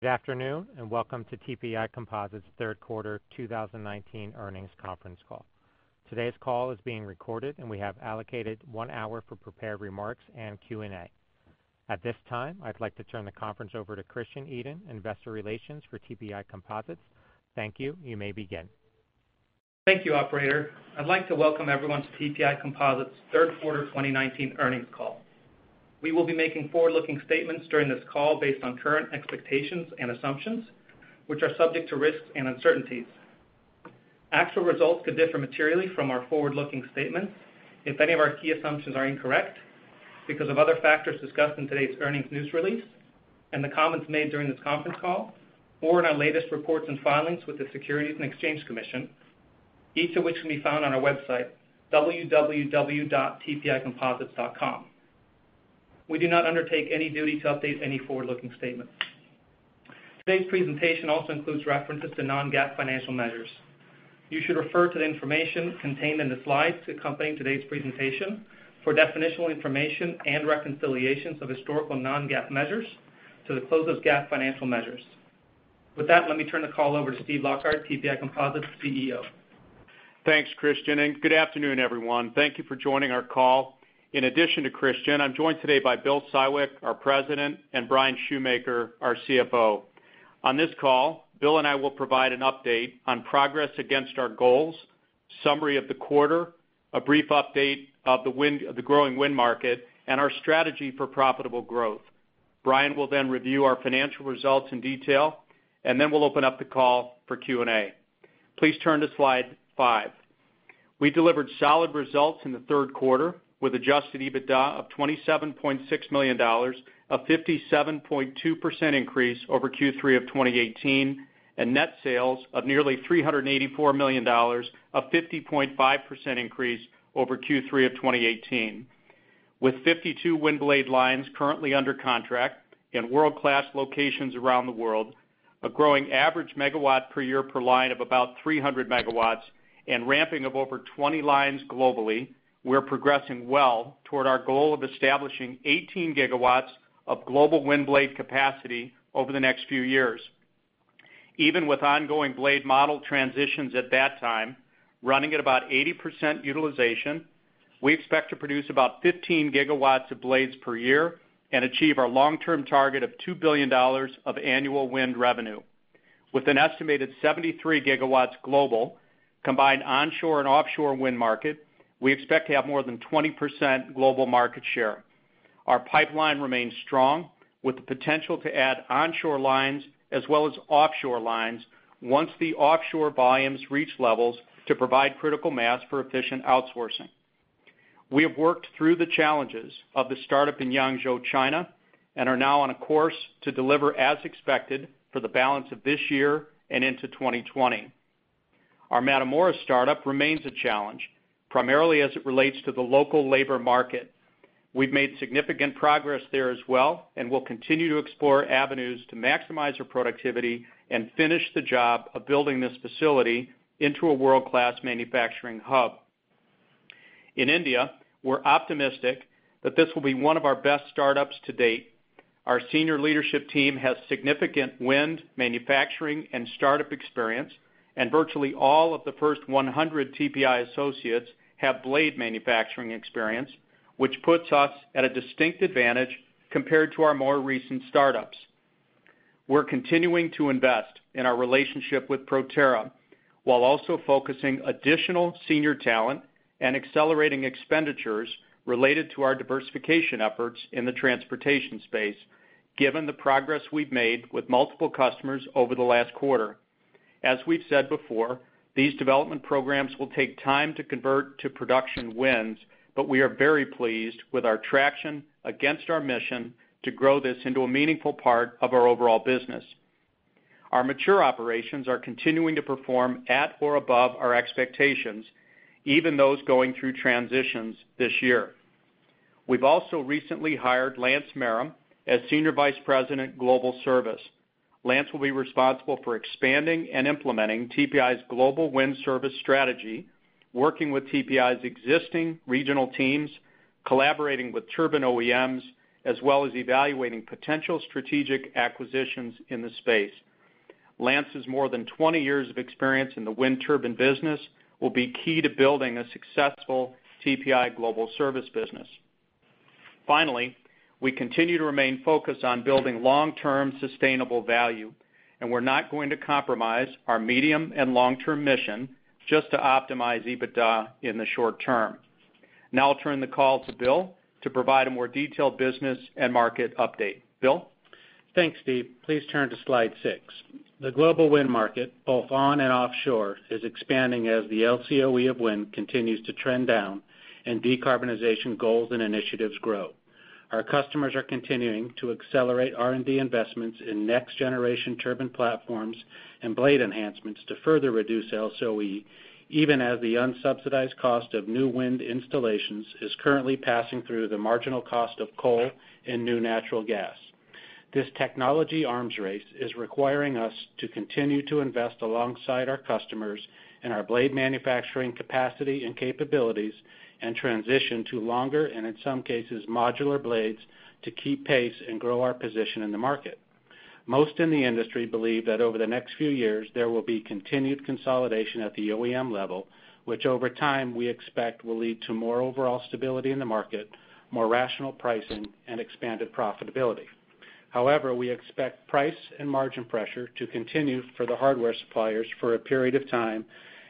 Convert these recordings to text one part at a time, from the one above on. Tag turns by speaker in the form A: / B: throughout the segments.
A: Good afternoon, welcome to TPI Composites' third quarter 2019 earnings conference call. Today's call is being recorded, and we have allocated one hour for prepared remarks and Q&A. At this time, I'd like to turn the conference over to Christian Edin, Investor Relations for TPI Composites. Thank you. You may begin.
B: Thank you, operator. I'd like to welcome everyone to TPI Composites' third quarter 2019 earnings call. We will be making forward-looking statements during this call based on current expectations and assumptions, which are subject to risks and uncertainties. Actual results could differ materially from our forward-looking statements if any of our key assumptions are incorrect because of other factors discussed in today's earnings news release and the comments made during this conference call or in our latest reports and filings with the Securities and Exchange Commission, each of which can be found on our website, www.tpicomposites.com. We do not undertake any duty to update any forward-looking statements. Today's presentation also includes references to non-GAAP financial measures. You should refer to the information contained in the slides accompanying today's presentation for definitional information and reconciliations of historical non-GAAP measures to the closest GAAP financial measures. With that, let me turn the call over to Steve C. Lockard, TPI Composites' CEO.
C: Thanks, Christian, and good afternoon, everyone. Thank you for joining our call. In addition to Christian, I'm joined today by William E. Siwek, our president, and Bryan Schumaker, our CFO. On this call, Bill and I will provide an update on progress against our goals, summary of the quarter, a brief update of the growing wind market, and our strategy for profitable growth. Bryan will then review our financial results in detail, and then we'll open up the call for Q&A. Please turn to slide five. We delivered solid results in the third quarter with adjusted EBITDA of $27.6 million, a 57.2% increase over Q3 of 2018, and net sales of nearly $384 million, a 50.5% increase over Q3 of 2018. With 52 wind blade lines currently under contract in world-class locations around the world, a growing average megawatt per year per line of about 300 megawatts, and ramping of over 20 lines globally, we're progressing well toward our goal of establishing 18 GW of global wind blade capacity over the next few years. Even with ongoing blade model transitions at that time, running at about 80% utilization, we expect to produce about 15 GW of blades per year and achieve our long-term target of $2 billion of annual wind revenue. With an estimated 73 GW global, combined onshore and offshore wind market, we expect to have more than 20% global market share. Our pipeline remains strong with the potential to add onshore lines as well as offshore lines once the offshore volumes reach levels to provide critical mass for efficient outsourcing. We have worked through the challenges of the startup in Yangzhou, China, and are now on a course to deliver as expected for the balance of this year and into 2020. Our Matamoros startup remains a challenge, primarily as it relates to the local labor market. We've made significant progress there as well, and we'll continue to explore avenues to maximize our productivity and finish the job of building this facility into a world-class manufacturing hub. In India, we're optimistic that this will be one of our best startups to date. Our senior leadership team has significant wind manufacturing and startup experience, and virtually all of the first 100 TPI Composites associates have blade manufacturing experience, which puts us at a distinct advantage compared to our more recent startups. We're continuing to invest in our relationship with Proterra while also focusing additional senior talent and accelerating expenditures related to our diversification efforts in the transportation space, given the progress we've made with multiple customers over the last quarter. As we've said before, these development programs will take time to convert to production wins, but we are very pleased with our traction against our mission to grow this into a meaningful part of our overall business. Our mature operations are continuing to perform at or above our expectations, even those going through transitions this year. We've also recently hired Lance Marram as Senior Vice President, Global Service. Lance will be responsible for expanding and implementing TPI's global wind service strategy, working with TPI's existing regional teams, collaborating with turbine OEMs, as well as evaluating potential strategic acquisitions in the space. Lance's more than 20 years of experience in the wind turbine business will be key to building a successful TPI Composites global service business. Finally, we continue to remain focused on building long-term sustainable value, and we're not going to compromise our medium and long-term mission just to optimize EBITDA in the short term. Now I'll turn the call to Bill to provide a more detailed business and market update. Bill?
D: Thanks, Steve. Please turn to slide six. The global wind market, both on and offshore, is expanding as the LCOE of wind continues to trend down and decarbonization goals and initiatives grow. Our customers are continuing to accelerate R&D investments in next-generation turbine platforms and blade enhancements to further reduce LCOE, even as the unsubsidized cost of new wind installations is currently passing through the marginal cost of coal and new natural gas. This technology arms race is requiring us to continue to invest alongside our customers in our blade manufacturing capacity and capabilities and transition to longer, and in some cases, modular blades to keep pace and grow our position in the market. Most in the industry believe that over the next few years, there will be continued consolidation at the OEM level, which over time, we expect will lead to more overall stability in the market, more rational pricing, and expanded profitability. However, we expect price and margin pressure to continue for the hardware suppliers for a period of time,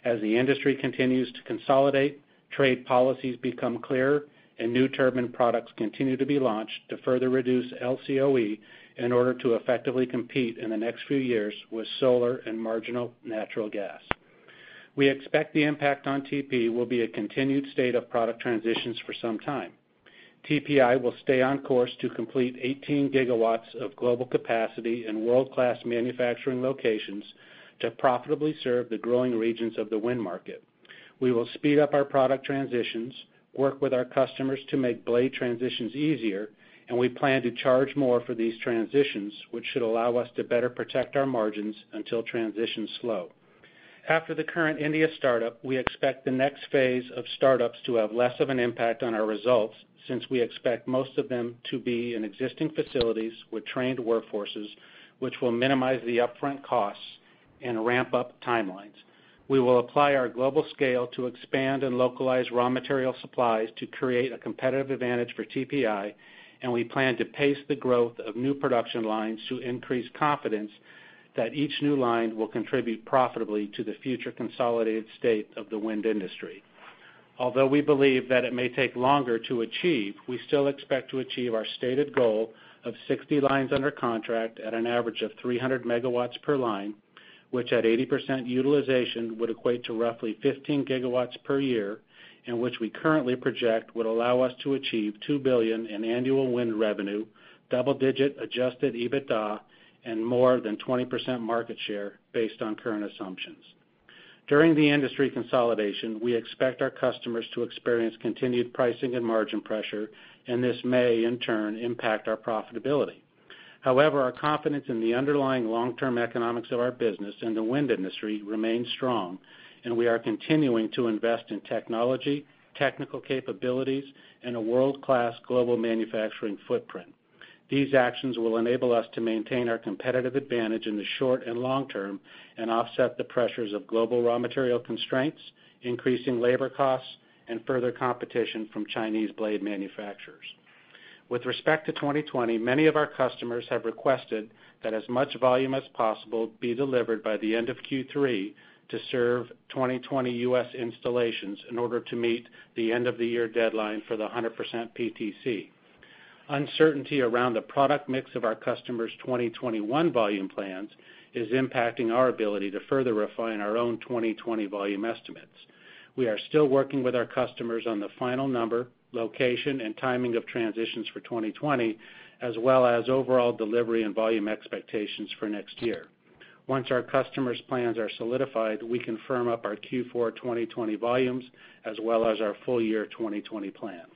D: as the industry continues to consolidate, trade policies become clearer, and new turbine products continue to be launched to further reduce LCOE in order to effectively compete in the next few years with solar and marginal natural gas. We expect the impact on TPI Composites will be a continued state of product transitions for some time. TPI Composites will stay on course to complete 18 GW of global capacity in world-class manufacturing locations to profitably serve the growing regions of the wind market. We will speed up our product transitions, work with our customers to make blade transitions easier, and we plan to charge more for these transitions, which should allow us to better protect our margins until transitions slow. After the current India startup, we expect the next phase of startups to have less of an impact on our results, since we expect most of them to be in existing facilities with trained workforces, which will minimize the upfront costs and ramp-up timelines. We will apply our global scale to expand and localize raw material supplies to create a competitive advantage for TPI Composites, and we plan to pace the growth of new production lines to increase confidence that each new line will contribute profitably to the future consolidated state of the wind industry. Although we believe that it may take longer to achieve, we still expect to achieve our stated goal of 60 lines under contract at an average of 300 MW per line, which at 80% utilization, would equate to roughly 15 GW per year, and which we currently project would allow us to achieve $2 billion in annual wind revenue, double-digit adjusted EBITDA, and more than 20% market share based on current assumptions. During the industry consolidation, we expect our customers to experience continued pricing and margin pressure, and this may, in turn, impact our profitability. However, our confidence in the underlying long-term economics of our business and the wind industry remains strong, and we are continuing to invest in technology, technical capabilities, and a world-class global manufacturing footprint. These actions will enable us to maintain our competitive advantage in the short and long term, and offset the pressures of global raw material constraints, increasing labor costs, and further competition from Chinese blade manufacturers. With respect to 2020, many of our customers have requested that as much volume as possible be delivered by the end of Q3 to serve 2020 U.S. installations in order to meet the end-of-the-year deadline for the 100% PTC. Uncertainty around the product mix of our customers' 2021 volume plans is impacting our ability to further refine our own 2020 volume estimates. We are still working with our customers on the final number, location, and timing of transitions for 2020, as well as overall delivery and volume expectations for next year. Once our customers' plans are solidified, we can firm up our Q4 2020 volumes, as well as our full year 2020 plans.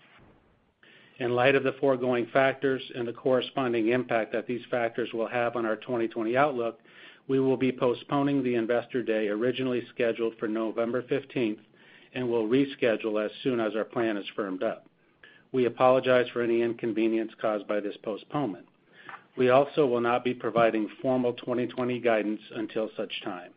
D: In light of the foregoing factors and the corresponding impact that these factors will have on our 2020 outlook, we will be postponing the Investor Day originally scheduled for November 15th, and will reschedule as soon as our plan is firmed up. We apologize for any inconvenience caused by this postponement. We also will not be providing formal 2020 guidance until such time.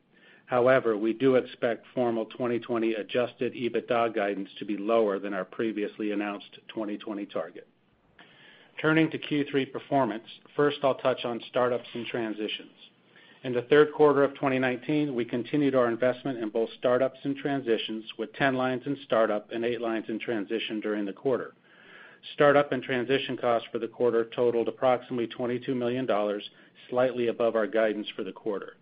D: However, we do expect formal 2020 adjusted EBITDA guidance to be lower than our previously announced 2020 target. Turning to Q3 performance, first I'll touch on startups and transitions. In the third quarter of 2019, we continued our investment in both startups and transitions, with 10 lines in startup and eight lines in transition during the quarter. Startup and transition costs for the quarter totaled approximately $22 million, slightly above our guidance for the quarter.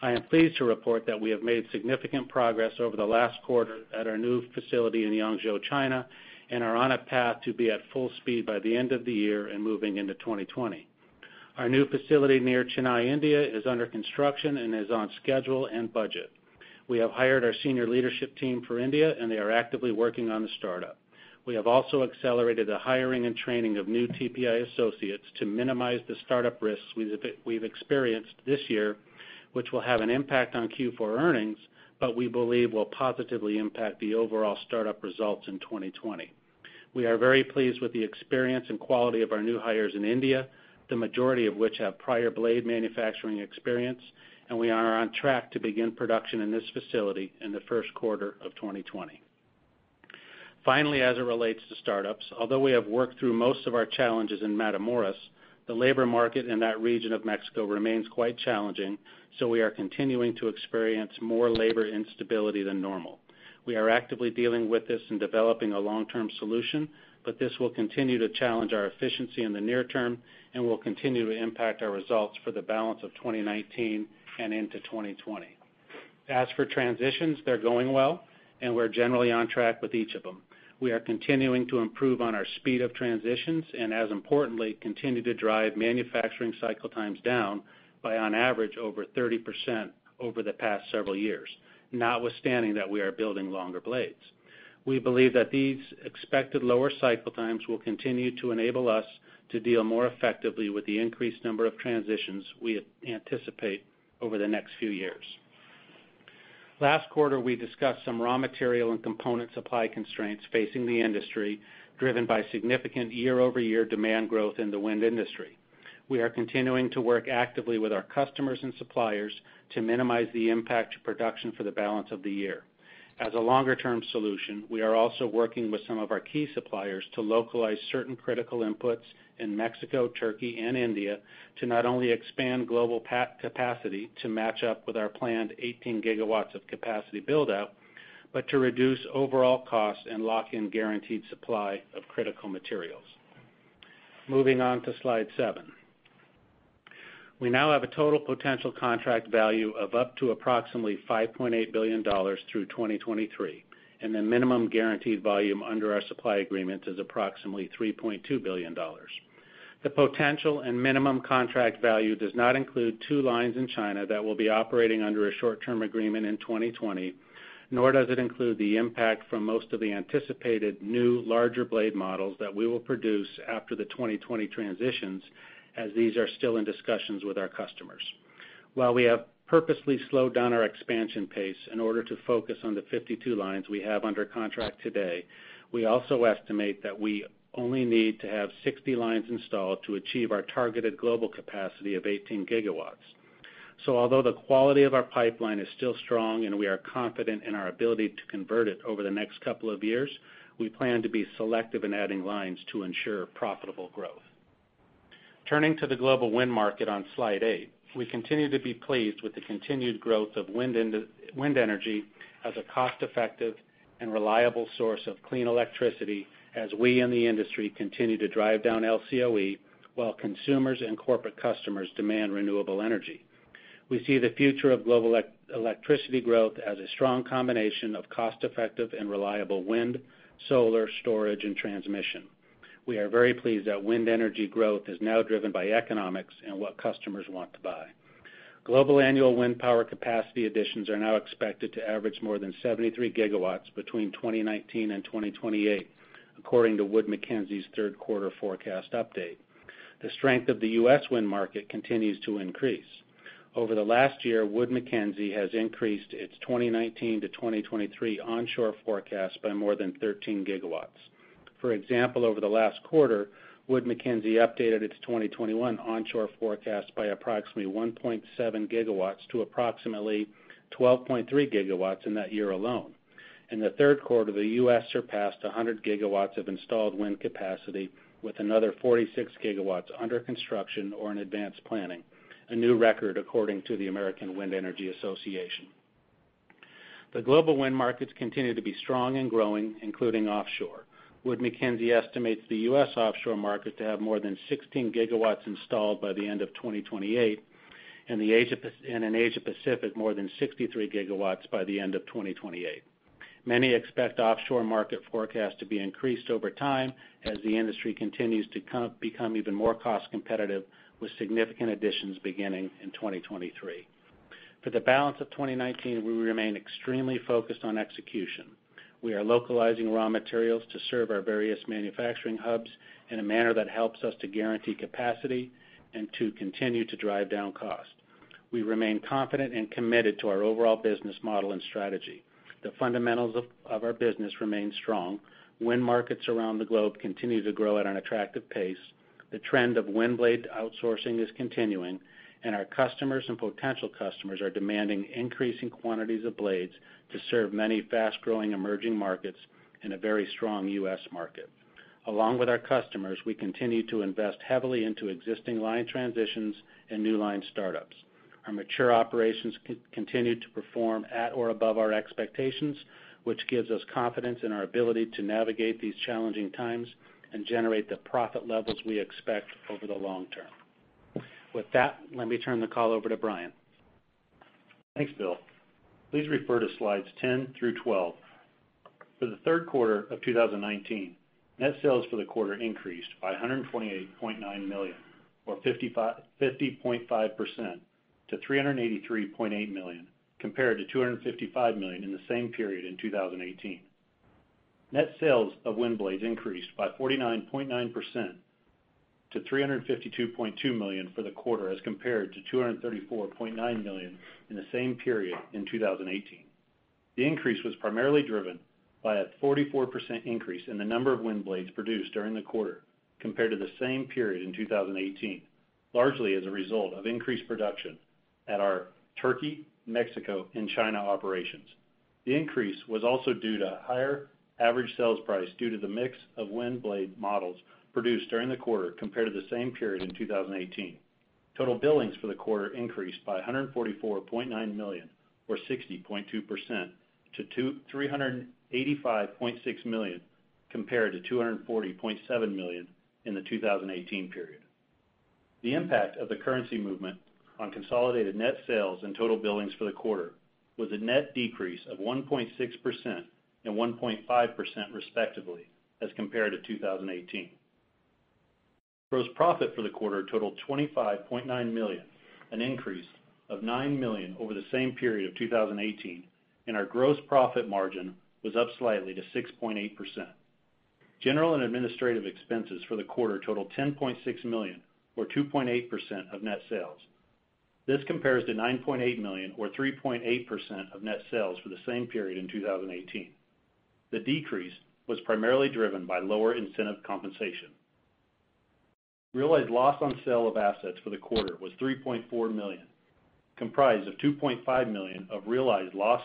D: I am pleased to report that we have made significant progress over the last quarter at our new facility in Yangzhou, China, and are on a path to be at full speed by the end of the year and moving into 2020. Our new facility near Chennai, India is under construction and is on schedule and budget. We have hired our senior leadership team for India, and they are actively working on the startup. We have also accelerated the hiring and training of new TPI Composites associates to minimize the startup risks we've experienced this year, which will have an impact on Q4 earnings, but we believe will positively impact the overall startup results in 2020. We are very pleased with the experience and quality of our new hires in India, the majority of which have prior blade manufacturing experience, and we are on track to begin production in this facility in the first quarter of 2020. Finally, as it relates to startups, although we have worked through most of our challenges in Matamoros, the labor market in that region of Mexico remains quite challenging, so we are continuing to experience more labor instability than normal. We are actively dealing with this and developing a long-term solution, but this will continue to challenge our efficiency in the near term and will continue to impact our results for the balance of 2019 and into 2020. For transitions, they're going well, and we're generally on track with each of them. We are continuing to improve on our speed of transitions, and as importantly, continue to drive manufacturing cycle times down by on average, over 30% over the past several years, notwithstanding that we are building longer blades. We believe that these expected lower cycle times will continue to enable us to deal more effectively with the increased number of transitions we anticipate over the next few years. Last quarter, we discussed some raw material and component supply constraints facing the industry, driven by significant year-over-year demand growth in the wind industry. We are continuing to work actively with our customers and suppliers to minimize the impact to production for the balance of the year. As a longer-term solution, we are also working with some of our key suppliers to localize certain critical inputs in Mexico, Turkey, and India to not only expand global capacity to match up with our planned 18 GW of capacity build-out, but to reduce overall cost and lock in guaranteed supply of critical materials. Moving on to slide seven. We now have a total potential contract value of up to approximately $5.8 billion through 2023, and the minimum guaranteed volume under our supply agreement is approximately $3.2 billion. The potential and minimum contract value does not include two lines in China that will be operating under a short-term agreement in 2020, nor does it include the impact from most of the anticipated new larger blade models that we will produce after the 2020 transitions, as these are still in discussions with our customers. While we have purposely slowed down our expansion pace in order to focus on the 52 lines we have under contract today, we also estimate that we only need to have 60 lines installed to achieve our targeted global capacity of 18 GW. Although the quality of our pipeline is still strong and we are confident in our ability to convert it over the next couple of years, we plan to be selective in adding lines to ensure profitable growth. Turning to the global wind market on Slide eight, we continue to be pleased with the continued growth of wind energy as a cost-effective and reliable source of clean electricity as we in the industry continue to drive down LCOE while consumers and corporate customers demand renewable energy. We see the future of global electricity growth as a strong combination of cost-effective and reliable wind, solar, storage, and transmission. We are very pleased that wind energy growth is now driven by economics and what customers want to buy. Global annual wind power capacity additions are now expected to average more than 73 GW between 2019 and 2028, according to Wood Mackenzie's third quarter forecast update. The strength of the U.S. wind market continues to increase. Over the last year, Wood Mackenzie has increased its 2019-2023 onshore forecast by more than 13 GW. For example, over the last quarter, Wood Mackenzie updated its 2021 onshore forecast by approximately 1.7 GW to approximately 12.3 GW in that year alone. In the third quarter, the U.S. surpassed 100 GW of installed wind capacity with another 46 GW under construction or in advanced planning, a new record according to the American Wind Energy Association. The global wind markets continue to be strong and growing, including offshore. Wood Mackenzie estimates the U.S. offshore market to have more than 16 GW installed by the end of 2028, and in Asia Pacific, more than 63 GW by the end of 2028. Many expect offshore market forecast to be increased over time as the industry continues to become even more cost-competitive, with significant additions beginning in 2023. For the balance of 2019, we remain extremely focused on execution. We are localizing raw materials to serve our various manufacturing hubs in a manner that helps us to guarantee capacity and to continue to drive down cost. We remain confident and committed to our overall business model and strategy. The fundamentals of our business remain strong. Wind markets around the globe continue to grow at an attractive pace. The trend of wind blade outsourcing is continuing, and our customers and potential customers are demanding increasing quantities of blades to serve many fast-growing emerging markets and a very strong U.S. market. Along with our customers, we continue to invest heavily into existing line transitions and new line startups. Our mature operations continue to perform at or above our expectations, which gives us confidence in our ability to navigate these challenging times and generate the profit levels we expect over the long term. With that, let me turn the call over to Bryan.
E: Thanks, Bill. Please refer to slides 10 through 12. For the third quarter of 2019, net sales for the quarter increased by $128.9 million or 50.5% to $383.8 million, compared to $255 million in the same period in 2018. Net sales of wind blades increased by 49.9% to $352.2 million for the quarter as compared to $234.9 million in the same period in 2018. The increase was primarily driven by a 44% increase in the number of wind blades produced during the quarter compared to the same period in 2018, largely as a result of increased production at our Turkey, Mexico, and China operations. The increase was also due to higher average sales price due to the mix of wind blade models produced during the quarter compared to the same period in 2018. Total billings for the quarter increased by $144.9 million or 60.2% to $385.6 million compared to $240.7 million in the 2018 period. The impact of the currency movement on consolidated net sales and total billings for the quarter was a net decrease of 1.6% and 1.5% respectively as compared to 2018. Gross profit for the quarter totaled $25.9 million, an increase of $9 million over the same period of 2018, and our gross profit margin was up slightly to 6.8%. General and administrative expenses for the quarter totaled $10.6 million or 2.8% of net sales. This compares to $9.8 million or 3.8% of net sales for the same period in 2018. The decrease was primarily driven by lower incentive compensation. Realized loss on sale of assets for the quarter was $3.4 million, comprised of $2.5 million of realized loss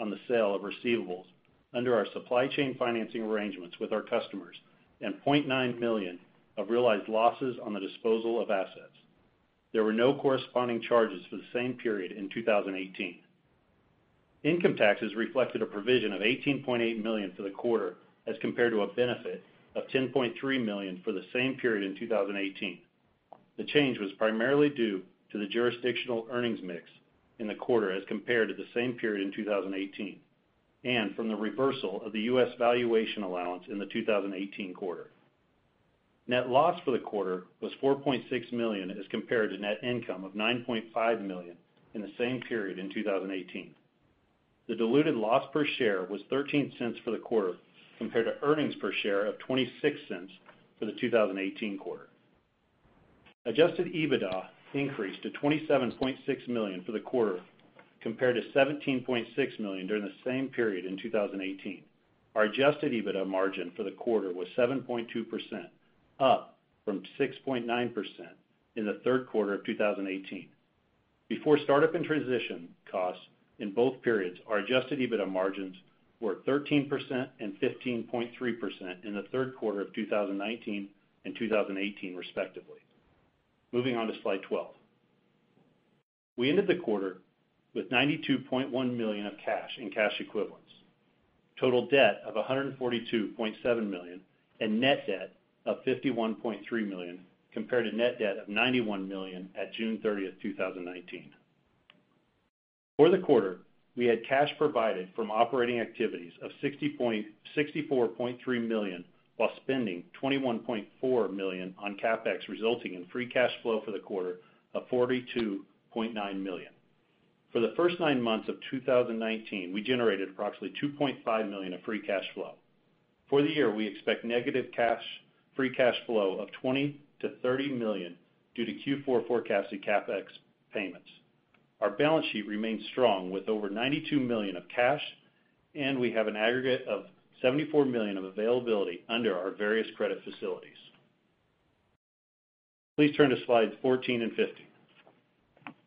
E: on the sale of receivables under our supply chain financing arrangements with our customers and $0.9 million of realized losses on the disposal of assets. There were no corresponding charges for the same period in 2018. Income taxes reflected a provision of $18.8 million for the quarter as compared to a benefit of $10.3 million for the same period in 2018. The change was primarily due to the jurisdictional earnings mix in the quarter as compared to the same period in 2018, and from the reversal of the U.S. valuation allowance in the 2018 quarter. Net loss for the quarter was $4.6 million as compared to net income of $9.5 million in the same period in 2018. The diluted loss per share was $0.13 for the quarter compared to earnings per share of $0.26 for the 2018 quarter. Adjusted EBITDA increased to $27.6 million for the quarter compared to $17.6 million during the same period in 2018. Our adjusted EBITDA margin for the quarter was 7.2%, up from 6.9% in the third quarter of 2018. Before startup and transition costs in both periods, our adjusted EBITDA margins were 13% and 15.3% in the third quarter of 2019 and 2018, respectively. Moving on to slide 12. We ended the quarter with $92.1 million of cash and cash equivalents, total debt of $142.7 million, and net debt of $51.3 million, compared to net debt of $91 million at June 30th, 2019. For the quarter, we had cash provided from operating activities of $64.3 million while spending $21.4 million on CapEx, resulting in free cash flow for the quarter of $42.9 million. For the first nine months of 2019, we generated approximately $2.5 million of free cash flow. For the year, we expect negative free cash flow of $20 million-$30 million due to Q4 forecasted CapEx payments. Our balance sheet remains strong with over $92 million of cash, and we have an aggregate of $74 million of availability under our various credit facilities. Please turn to slides 14 and 15.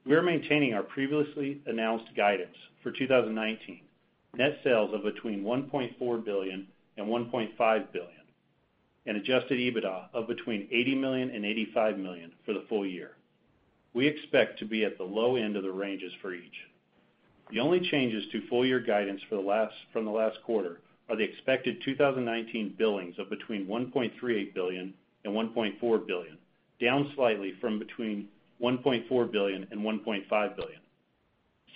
E: We are maintaining our previously announced guidance for 2019. Net sales of between $1.4 billion and $1.5 billion, and adjusted EBITDA of between $80 million and $85 million for the full year. We expect to be at the low end of the ranges for each. The only changes to full year guidance from the last quarter are the expected 2019 billings of between $1.38 billion and $1.4 billion, down slightly from between $1.4 billion and $1.5 billion.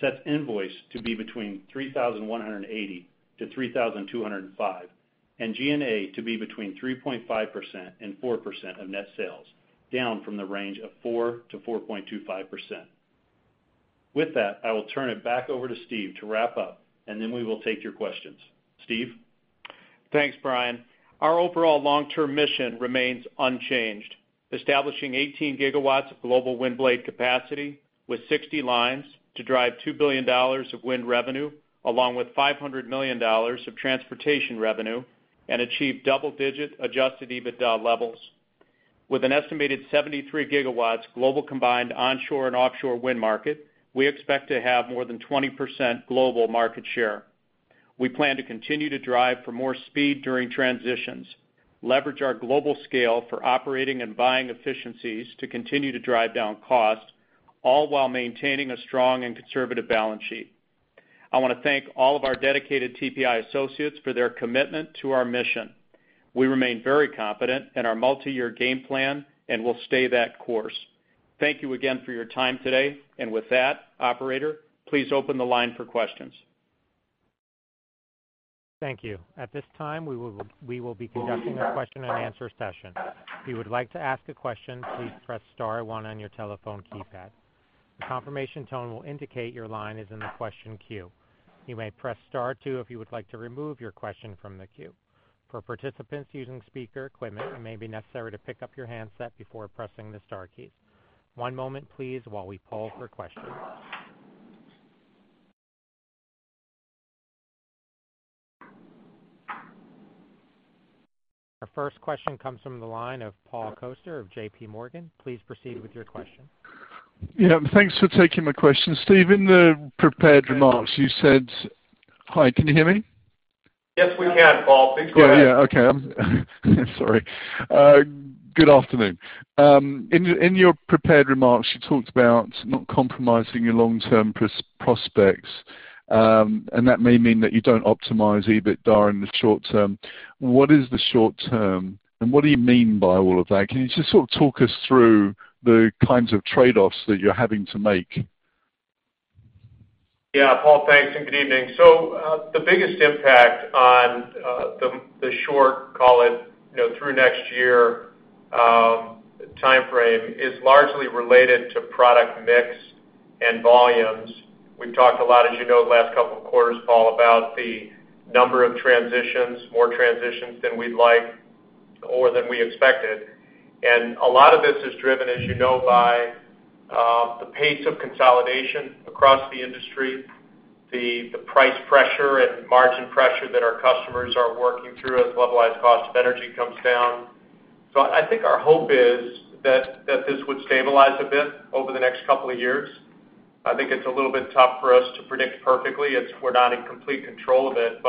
E: Sets invoiced to be between 3,180-3,205, and G&A to be between 3.5% and 4% of net sales, down from the range of 4%-4.25%. With that, I will turn it back over to Steve to wrap up, and then we will take your questions. Steve?
C: Thanks, Bryan. Our overall long-term mission remains unchanged, establishing 18 GW of global wind blade capacity with 60 lines to drive $2 billion of wind revenue along with $500 million of transportation revenue and achieve double-digit adjusted EBITDA levels. With an estimated 73 GW global combined onshore and offshore wind market, we expect to have more than 20% global market share. We plan to continue to drive for more speed during transitions, leverage our global scale for operating and buying efficiencies to continue to drive down costs, all while maintaining a strong and conservative balance sheet. I want to thank all of our dedicated TPI Composites associates for their commitment to our mission. We remain very confident in our multi-year game plan and will stay that course. Thank you again for your time today. With that, operator, please open the line for questions.
A: Thank you. At this time, we will be conducting a question and answer session. If you would like to ask a question, please press star one on your telephone keypad. A confirmation tone will indicate your line is in the question queue. You may press star two if you would like to remove your question from the queue. For participants using speaker equipment, it may be necessary to pick up your handset before pressing the star keys. One moment please while we poll for questions. Our first question comes from the line of Paul Coster of JPMorgan. Please proceed with your question.
F: Yeah. Thanks for taking my question. Steve, in the prepared remarks you said. Hi, can you hear me?
C: Yes, we can, Paul. Please go ahead.
F: Yeah. Okay. Sorry. Good afternoon. In your prepared remarks, you talked about not compromising your long-term prospects, and that may mean that you don't optimize EBITDA in the short term. What is the short term, and what do you mean by all of that? Can you just sort of talk us through the kinds of trade-offs that you're having to make?
C: Yeah, Paul. Thanks, good evening. The biggest impact on the short, call it through next year timeframe, is largely related to product mix and volumes. We've talked a lot, as you know, the last couple of quarters, Paul, about the number of transitions, more transitions than we'd like or than we expected. A lot of this is driven, as you know, by the pace of consolidation across the industry, the price pressure and margin pressure that our customers are working through as levelized cost of energy comes down. I think our hope is that this would stabilize a bit over the next couple of years. I think it's a little bit tough for us to predict perfectly as we're not in complete control of it.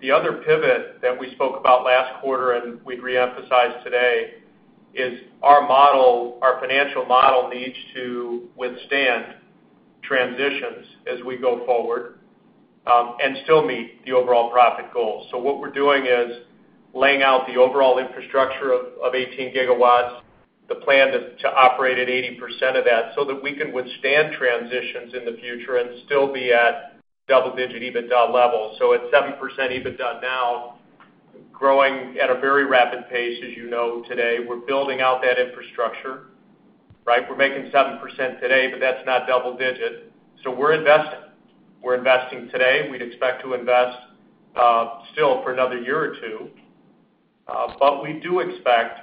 C: The other pivot that we spoke about last quarter, and we'd reemphasize today, is our financial model needs to withstand transitions as we go forward, and still meet the overall profit goals. What we're doing is laying out the overall infrastructure of 18 GW, the plan to operate at 80% of that so that we can withstand transitions in the future and still be at double-digit EBITDA levels. At 7% EBITDA now, growing at a very rapid pace, as you know today, we're building out that infrastructure. We're making 7% today, that's not double digit. We're investing. We're investing today. We'd expect to invest still for another year or two. We do expect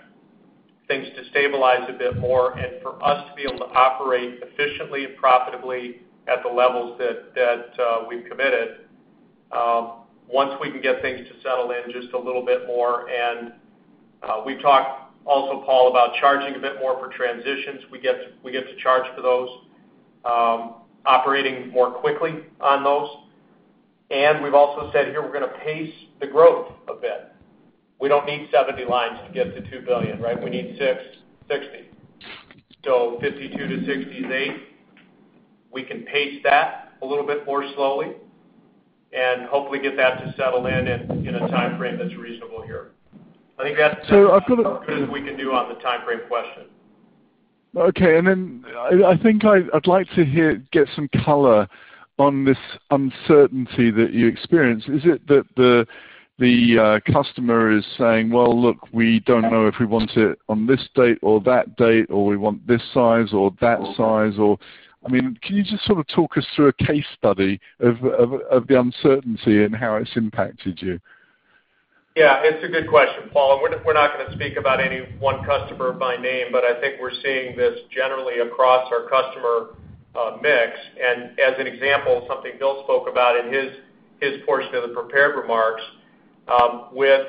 C: things to stabilize a bit more and for us to be able to operate efficiently and profitably at the levels that we've committed, once we can get things to settle in just a little bit more. We've talked also, Paul, about charging a bit more for transitions. We get to charge for those, operating more quickly on those. We've also said here we're going to pace the growth a bit. We don't need 70 lines to get to $2 billion. We need 60. 52-60. We can pace that a little bit more slowly and hopefully get that to settle in in a timeframe that's reasonable here.
F: I've got a-.
C: As good as we can do on the timeframe question.
F: Okay. I think I'd like to get some color on this uncertainty that you experience. Is it that the customer is saying, "Well, look, we don't know if we want it on this date or that date, or we want this size or that size?" Can you just sort of talk us through a case study of the uncertainty and how it's impacted you?
C: Yeah, it's a good question, Paul, and we're not going to speak about any one customer by name, but I think we're seeing this generally across our customer mix. As an example, something Bill spoke about in his portion of the prepared remarks. With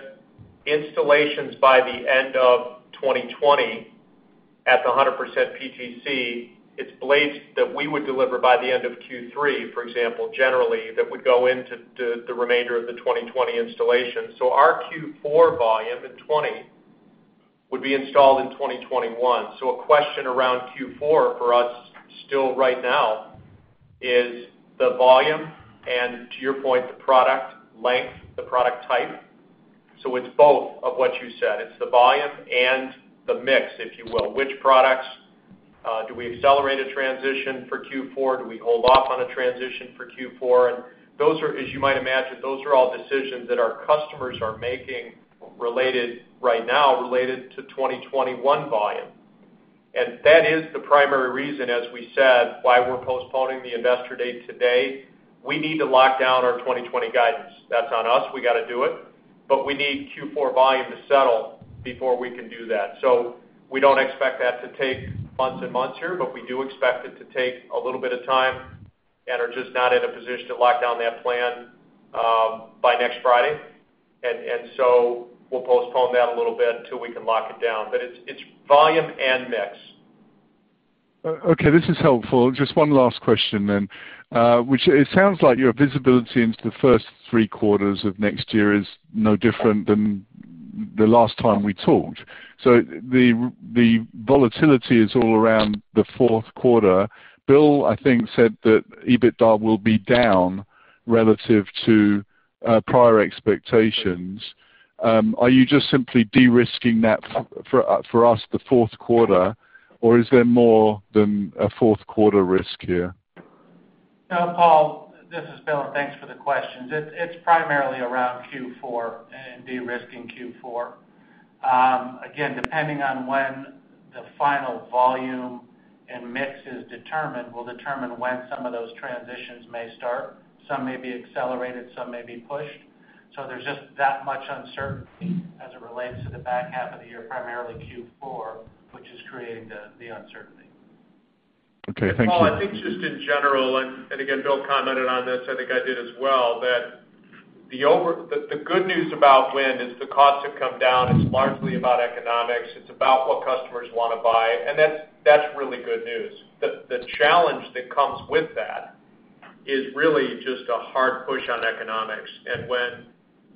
C: installations by the end of 2020 at the 100% PTC, it's blades that we would deliver by the end of Q3, for example, generally, that would go into the remainder of the 2020 installation. Our Q4 volume in 2020 would be installed in 2021. A question around Q4 for us still right now is the volume and to your point, the product length, the product type. It's both of what you said. It's the volume and the mix, if you will. Which products? Do we accelerate a transition for Q4? Do we hold off on a transition for Q4? As you might imagine, those are all decisions that our customers are making right now related to 2021 volume. That is the primary reason, as we said, why we're postponing the Investor Day today. We need to lock down our 2020 guidance. That's on us. We got to do it. We need Q4 volume to settle before we can do that. We don't expect that to take months and months here, but we do expect it to take a little bit of time and are just not in a position to lock down that plan by next Friday. We'll postpone that a little bit until we can lock it down. It's volume and mix.
F: Okay. This is helpful. Just one last question then. It sounds like your visibility into the first three quarters of next year is no different than the last time we talked. The volatility is all around the fourth quarter. Bill, I think, said that EBITDA will be down relative to prior expectations. Are you just simply de-risking that for us the fourth quarter, or is there more than a fourth quarter risk here?
D: No, Paul, this is Bill. Thanks for the questions. It's primarily around Q4 and de-risking Q4. Again, depending on when the final volume and mix is determined will determine when some of those transitions may start. Some may be accelerated, some may be pushed. There's just that much uncertainty as it relates to the back half of the year, primarily Q4, which is creating the uncertainty.
F: Okay. Thank you.
C: Paul, I think just in general, and again, Bill commented on this, I think I did as well, that the good news about wind is the costs have come down. It's largely about economics. It's about what customers want to buy. That's really good news. The challenge that comes with that is really just a hard push on economics.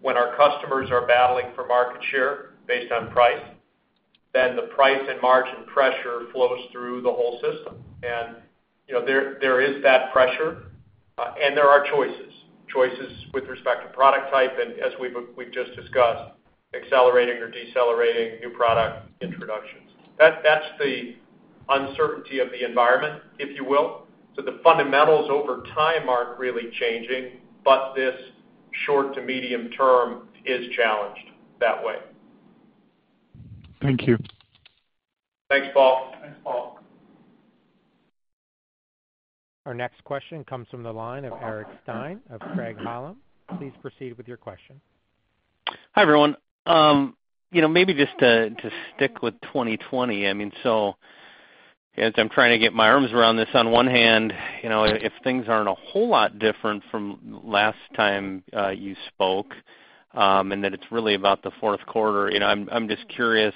C: When our customers are battling for market share based on price, then the price and margin pressure flows through the whole system, and there is that pressure, and there are choices. Choices with respect to product type, and as we've just discussed, accelerating or decelerating new product introductions. That's the uncertainty of the environment, if you will. The fundamentals over time aren't really changing, but this short to medium term is challenged that way.
F: Thank you.
C: Thanks, Paul.
D: Thanks, Paul.
A: Our next question comes from the line of Eric Stine of Craig-Hallum. Please proceed with your question.
G: Hi, everyone. Maybe just to stick with 2020. As I'm trying to get my arms around this, on one hand, if things aren't a whole lot different from last time you spoke, and that it's really about the fourth quarter, I'm just curious,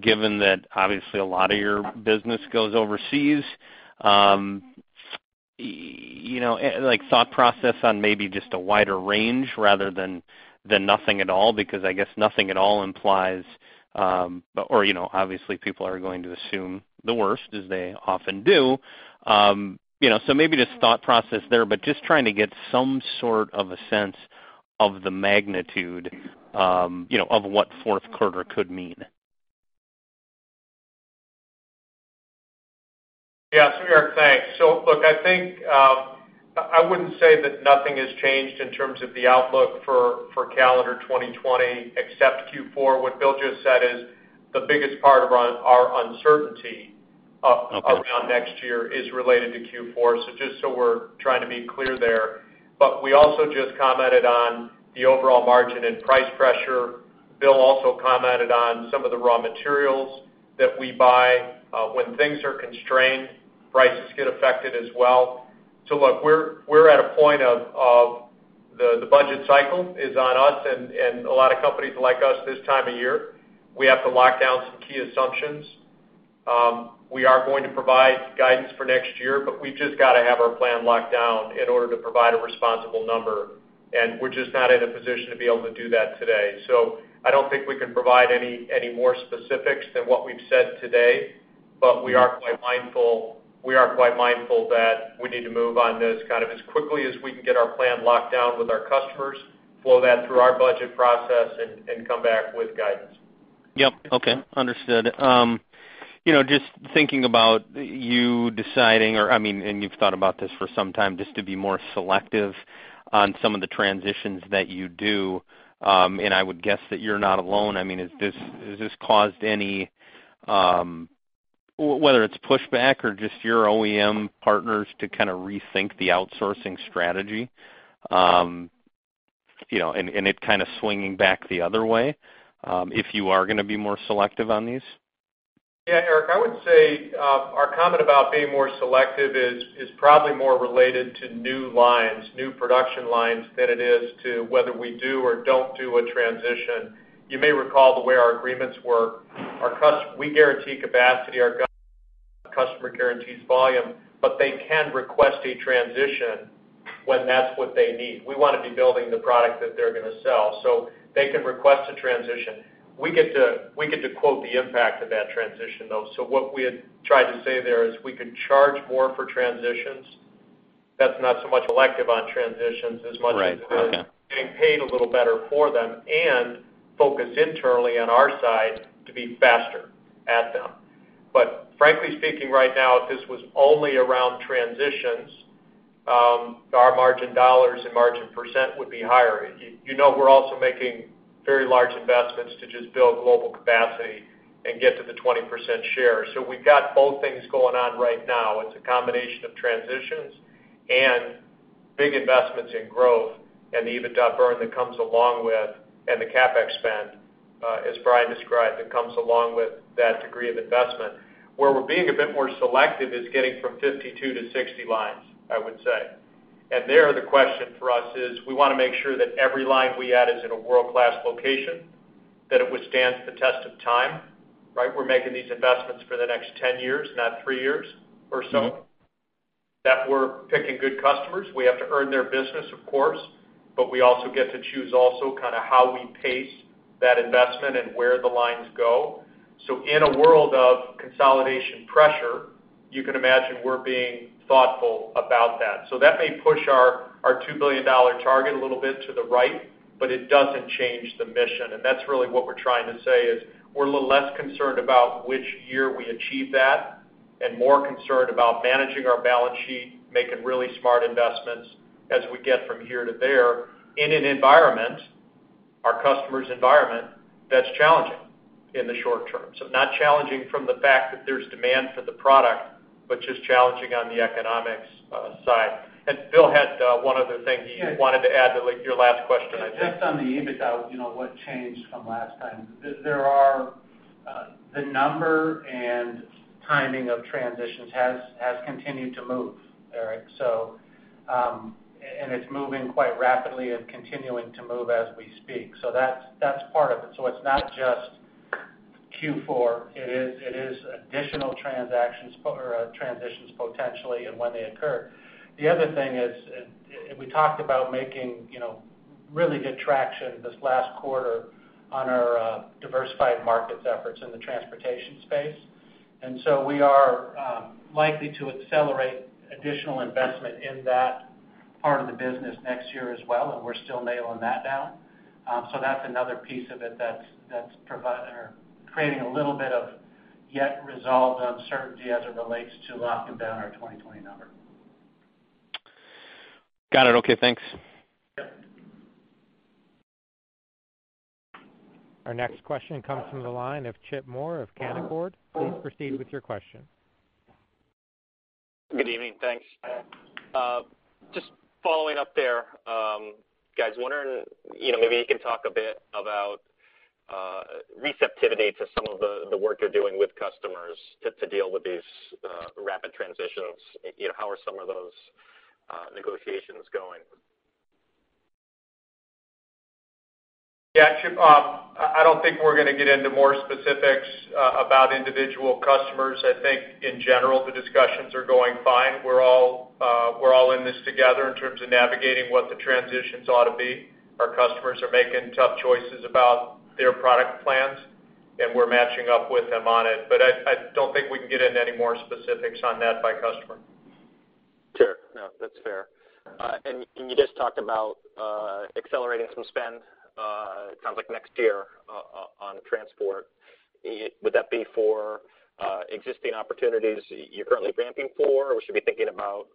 G: given that obviously a lot of your business goes overseas, like thought process on maybe just a wider range rather than nothing at all, because I guess nothing at all implies obviously, people are going to assume the worst, as they often do. Maybe just thought process there, but just trying to get some sort of a sense of the magnitude of what fourth quarter could mean.
C: Yeah, Eric, thanks. Look, I think, I wouldn't say that nothing has changed in terms of the outlook for calendar 2020 except Q4. What Bill just said is the biggest part around our uncertainty around next year is related to Q4. Just so we're trying to be clear there. We also just commented on the overall margin and price pressure. Bill also commented on some of the raw materials that we buy. When things are constrained, prices get affected as well. Look, we're at a point of the budget cycle is on us and a lot of companies like us this time of year. We have to lock down some key assumptions. We are going to provide guidance for next year, but we've just got to have our plan locked down in order to provide a responsible number, and we're just not in a position to be able to do that today. I don't think we can provide any more specifics than what we've said today. We are quite mindful that we need to move on this kind of as quickly as we can get our plan locked down with our customers, flow that through our budget process and come back with guidance.
G: Yep. Okay. Understood. Just thinking about you deciding, and you've thought about this for some time, just to be more selective on some of the transitions that you do. I would guess that you're not alone. Has this caused any, whether it's pushback or just your OEM partners to kind of rethink the outsourcing strategy, and it kind of swinging back the other way, if you are going to be more selective on these?
C: Yeah, Eric Stine, I would say, our comment about being more selective is probably more related to new lines, new production lines than it is to whether we do or don't do a transition. You may recall the way our agreements work. We guarantee capacity, our customer guarantees volume, but they can request a transition when that's what they need. We want to be building the product that they're going to sell, so they can request a transition. We get to quote the impact of that transition, though. What we had tried to say there is we could charge more for transitions. That's not so much elective on transitions as much as it is.
G: Right. Okay
C: being paid a little better for them and focus internally on our side to be faster at them. Frankly speaking right now, if this was only around transitions, our margin dollars and margin percent would be higher. You know we're also making very large investments to just build global capacity and get to the 20% share. We've got both things going on right now. It's a combination of transitions and big investments in growth and the EBITDA burn that comes along with, and the CapEx spend, as Bryan described, that comes along with that degree of investment. Where we're being a bit more selective is getting from 52-60 lines, I would say. There, the question for us is, we want to make sure that every line we add is in a world-class location, that it withstands the test of time, right? We're making these investments for the next 10 years, not three years or so. That we're picking good customers. We have to earn their business, of course, but we also get to choose also how we pace that investment and where the lines go. In a world of consolidation pressure, you can imagine we're being thoughtful about that. That may push our $2 billion target a little bit to the right, but it doesn't change the mission, and that's really what we're trying to say is we're a little less concerned about which year we achieve that and more concerned about managing our balance sheet, making really smart investments as we get from here to there in an environment, our customer's environment, that's challenging in the short term. Not challenging from the fact that there's demand for the product, but just challenging on the economics side. Bill had one other thing he wanted to add to your last question, I think.
D: Just on the EBITDA, what changed from last time. The number and timing of transitions has continued to move, Eric, it's moving quite rapidly and continuing to move as we speak. That's part of it. It's not just Q4, it is additional transactions or transitions potentially and when they occur. The other thing is, we talked about making really good traction this last quarter on our diversified markets efforts in the transportation space. We are likely to accelerate additional investment in that part of the business next year as well, and we're still nailing that down. That's another piece of it that's providing or creating a little bit of yet resolved uncertainty as it relates to locking down our 2020 number.
G: Got it. Okay, thanks.
A: Our next question comes from the line of Chip Moore of Canaccord. Please proceed with your question.
H: Good evening. Thanks. Just following up there, guys. I'm wondering, maybe you can talk a bit about receptivity to some of the work you're doing with customers to deal with these rapid transitions. How are some of those negotiations going?
C: Yeah, Chip. I don't think we're going to get into more specifics about individual customers. I think in general, the discussions are going fine. We're all in this together in terms of navigating what the transitions ought to be. Our customers are making tough choices about their product plans, and we're matching up with them on it. I don't think we can get into any more specifics on that by customer.
H: Sure. No, that's fair. You just talked about accelerating some spend, it sounds like next year on transport. Would that be for existing opportunities you're currently ramping for? Or we should be thinking about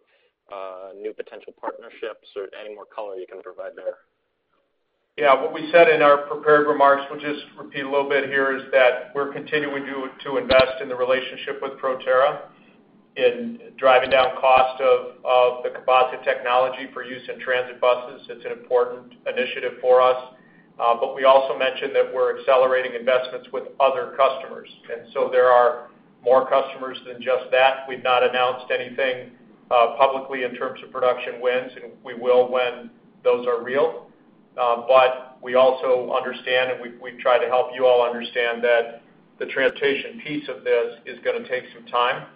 H: new potential partnerships or any more color you can provide there?
C: Yeah. What we said in our prepared remarks, we'll just repeat a little bit here, is that we're continuing to invest in the relationship with Proterra in driving down cost of the composite technology for use in transit buses. It's an important initiative for us. We also mentioned that we're accelerating investments with other customers. There are more customers than just that. We've not announced anything publicly in terms of production wins, and we will when those are real. We also understand, and we try to help you all understand that the transportation piece of this is going to take some time.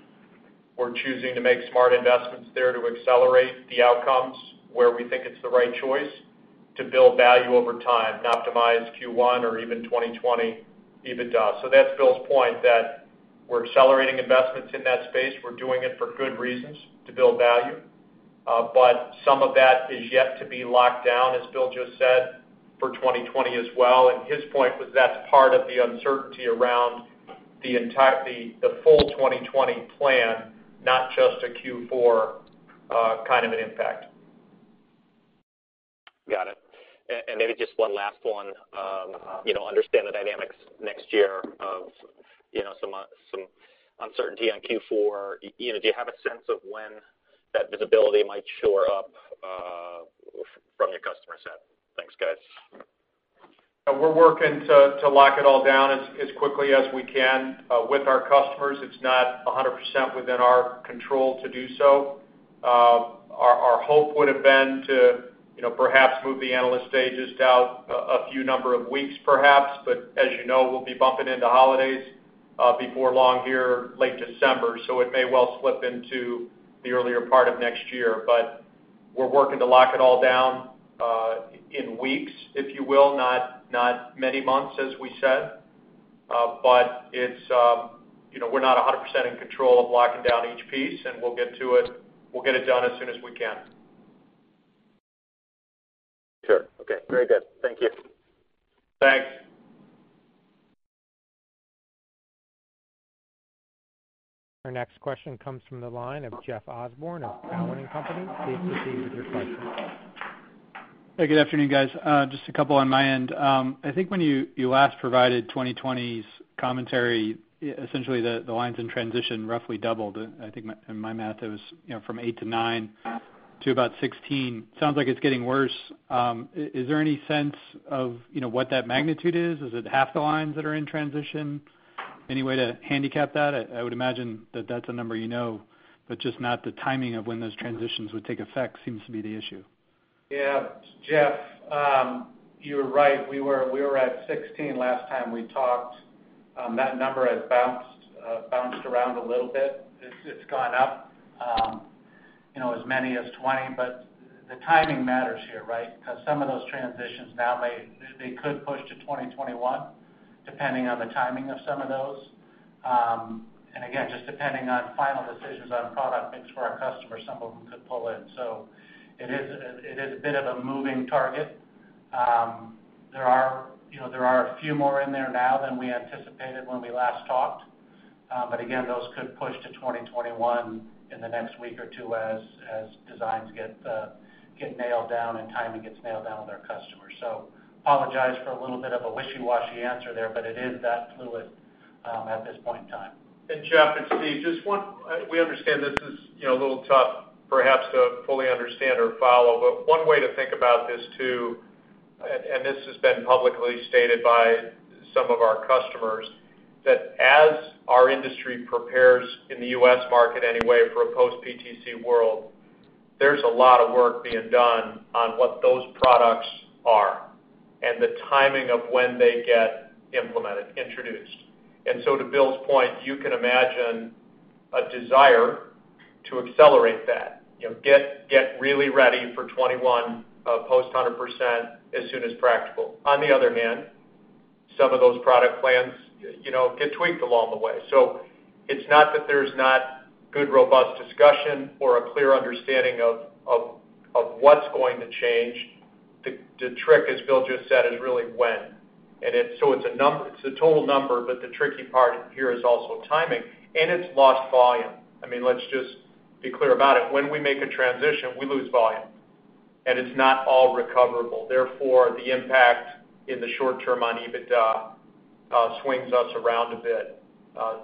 C: We're choosing to make smart investments there to accelerate the outcomes where we think it's the right choice to build value over time, not optimize Q1 or even 2020 EBITDA. That's Bill's point that we're accelerating investments in that space. We're doing it for good reasons to build value. Some of that is yet to be locked down, as Bill just said, for 2020 as well. His point was that's part of the uncertainty around the full 2020 plan, not just a Q4 kind of an impact.
H: Got it. Maybe just one last one. Understand the dynamics next year of some uncertainty on Q4. Do you have a sense of when that visibility might shore up from your customer set? Thanks, guys.
C: We're working to lock it all down as quickly as we can with our customers. It's not 100% within our control to do so. Our hope would have been to perhaps move the analyst stages out a few number of weeks perhaps. As you know, we'll be bumping into holidays before long here, late December. It may well slip into the earlier part of next year. We're working to lock it all down in weeks, if you will, not many months, as we said. We're not 100% in control of locking down each piece, and we'll get to it. We'll get it done as soon as we can.
H: Sure. Okay, very good. Thank you.
C: Thanks.
A: Our next question comes from the line of Jeff Osborne of Cowen and Company. Please proceed with your question.
I: Hey, good afternoon, guys. Just a couple on my end. I think when you last provided 2020's commentary, essentially the lines in transition roughly doubled. I think in my math, it was from eight to nine to about 16. Sounds like it's getting worse. Is there any sense of what that magnitude is? Is it half the lines that are in transition? Any way to handicap that? I would imagine that that's a number you know, but just not the timing of when those transitions would take effect seems to be the issue.
D: Yeah. Jeff, you're right. We were at 16 last time we talked. That number has bounced around a little bit. It's gone up as many as 20, the timing matters here, right? Some of those transitions now, they could push to 2021, depending on the timing of some of those. Again, just depending on final decisions on product mix for our customers, some of them could pull in. It is a bit of a moving target. There are a few more in there now than we anticipated when we last talked. Again, those could push to 2021 in the next week or two as designs get nailed down and timing gets nailed down with our customers. Apologize for a little bit of a wishy-washy answer there, it is that fluid at this point in time.
C: Jeff, it's Steve. We understand this is a little tough perhaps to fully understand or follow. One way to think about this, too, and this has been publicly stated by some of our customers, that as our industry prepares in the U.S. market anyway for a post PTC world, there's a lot of work being done on what those products are and the timing of when they get implemented, introduced. To Bill's point, you can imagine a desire to accelerate that, get really ready for 2021 post 100% as soon as practical. Some of those product plans get tweaked along the way. It's not that there's not good, robust discussion or a clear understanding of what's going to change. The trick, as Bill just said, is really when. It's a total number, but the tricky part here is also timing, and it's lost volume. Let's just be clear about it. When we make a transition, we lose volume, and it's not all recoverable. Therefore, the impact in the short term on EBITDA swings us around a bit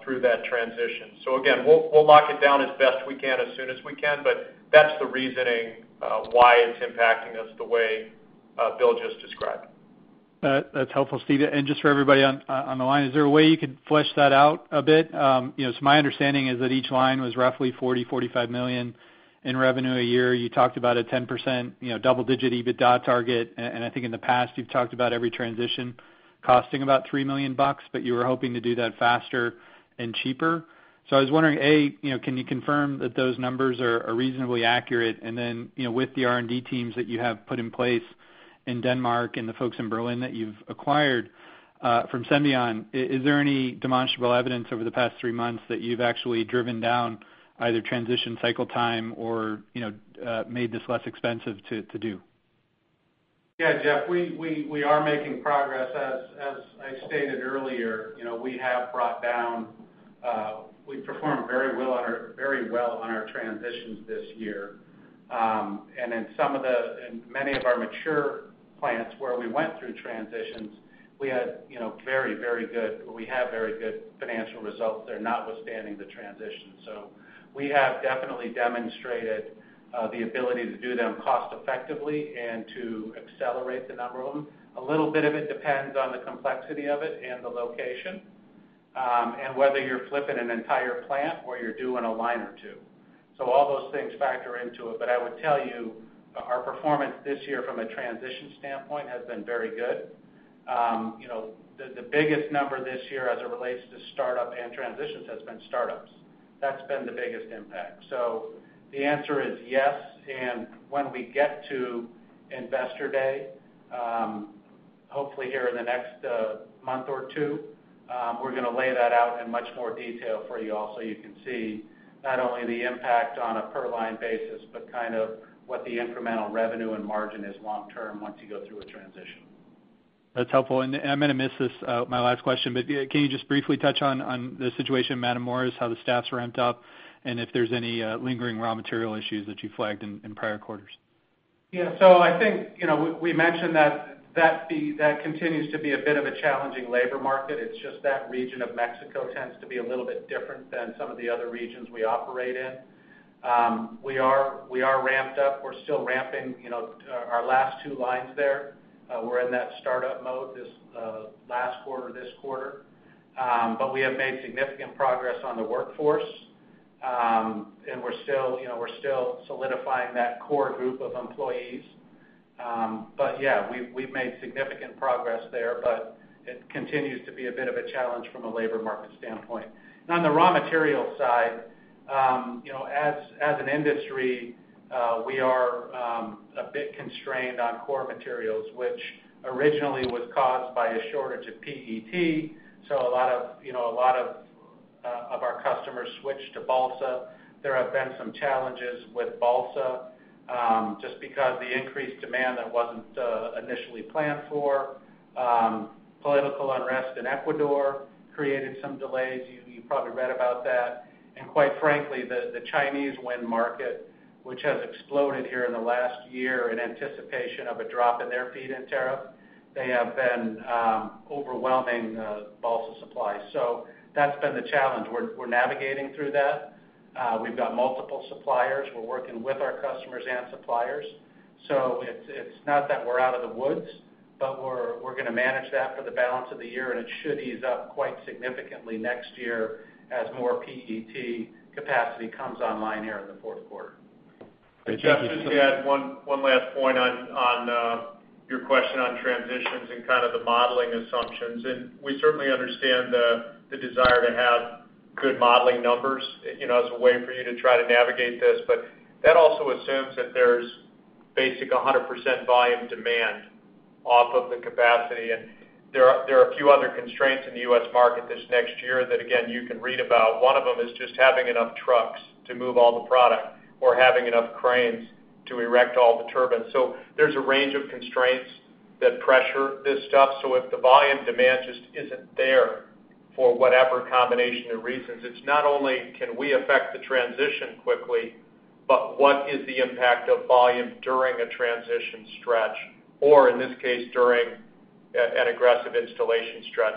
C: through that transition. Again, we'll lock it down as best we can, as soon as we can, but that's the reasoning why it's impacting us the way Bill just described.
I: That's helpful, Steve. Just for everybody on the line, is there a way you could flesh that out a bit? My understanding is that each line was roughly $40 million-$45 million in revenue a year. You talked about a 10%, double-digit EBITDA target. I think in the past, you've talked about every transition costing about $3 million bucks, but you were hoping to do that faster and cheaper. I was wondering, A, can you confirm that those numbers are reasonably accurate? With the R&D teams that you have put in place in Denmark and the folks in Berlin that you've acquired from Senvion, is there any demonstrable evidence over the past three months that you've actually driven down either transition cycle time or made this less expensive to do?
D: Yeah, Jeff, we are making progress. As I stated earlier, we've performed very well on our transitions this year. In many of our mature plants where we went through transitions, we have very good financial results there, notwithstanding the transition. We have definitely demonstrated the ability to do them cost-effectively and to accelerate the number of them. A little bit of it depends on the complexity of it and the location, and whether you're flipping an entire plant or you're doing a line or two. All those things factor into it. I would tell you, our performance this year from a transition standpoint has been very good. The biggest number this year as it relates to startup and transitions has been startups. That's been the biggest impact. The answer is yes, and when we get to Investor Day, hopefully here in the next month or two, we're going to lay that out in much more detail for you all so you can see not only the impact on a per-line basis, but what the incremental revenue and margin is long term once you go through a transition.
I: That's helpful. I'm going to miss this, my last question, but can you just briefly touch on the situation at Matamoros, how the staff's ramped up, and if there's any lingering raw material issues that you flagged in prior quarters?
D: Yeah. I think we mentioned that continues to be a bit of a challenging labor market. It's just that region of Mexico tends to be a little bit different than some of the other regions we operate in. We are ramped up. We're still ramping our last two lines there. We're in that startup mode this last quarter, this quarter. We have made significant progress on the workforce. We're still solidifying that core group of employees. Yeah, we've made significant progress there, but it continues to be a bit of a challenge from a labor market standpoint. On the raw material side, as an industry, we are a bit constrained on core materials, which originally was caused by a shortage of PET, so a lot of our customers switched to balsa. There have been some challenges with balsa, just because the increased demand that wasn't initially planned for. Political unrest in Ecuador created some delays. You probably read about that. Quite frankly, the Chinese wind market, which has exploded here in the last year in anticipation of a drop in their feed-in tariff, they have been overwhelming balsa supply. That's been the challenge. We're navigating through that. We've got multiple suppliers. We're working with our customers and suppliers. It's not that we're out of the woods, but we're going to manage that for the balance of the year, and it should ease up quite significantly next year as more PET capacity comes online here in the fourth quarter.
I: Great. Thank you.
C: Jeff, just to add one last point on your question on transitions and kind of the modeling assumptions. We certainly understand the desire to have good modeling numbers as a way for you to try to navigate this. That also assumes that there's basic 100% volume demand off of the capacity, and there are a few other constraints in the U.S. market this next year that, again, you can read about. One of them is just having enough trucks to move all the product or having enough cranes to erect all the turbines. There's a range of constraints that pressure this stuff. If the volume demand just isn't there for whatever combination of reasons, it's not only can we affect the transition quickly, but what is the impact of volume during a transition stretch, or in this case, during an aggressive installation stretch.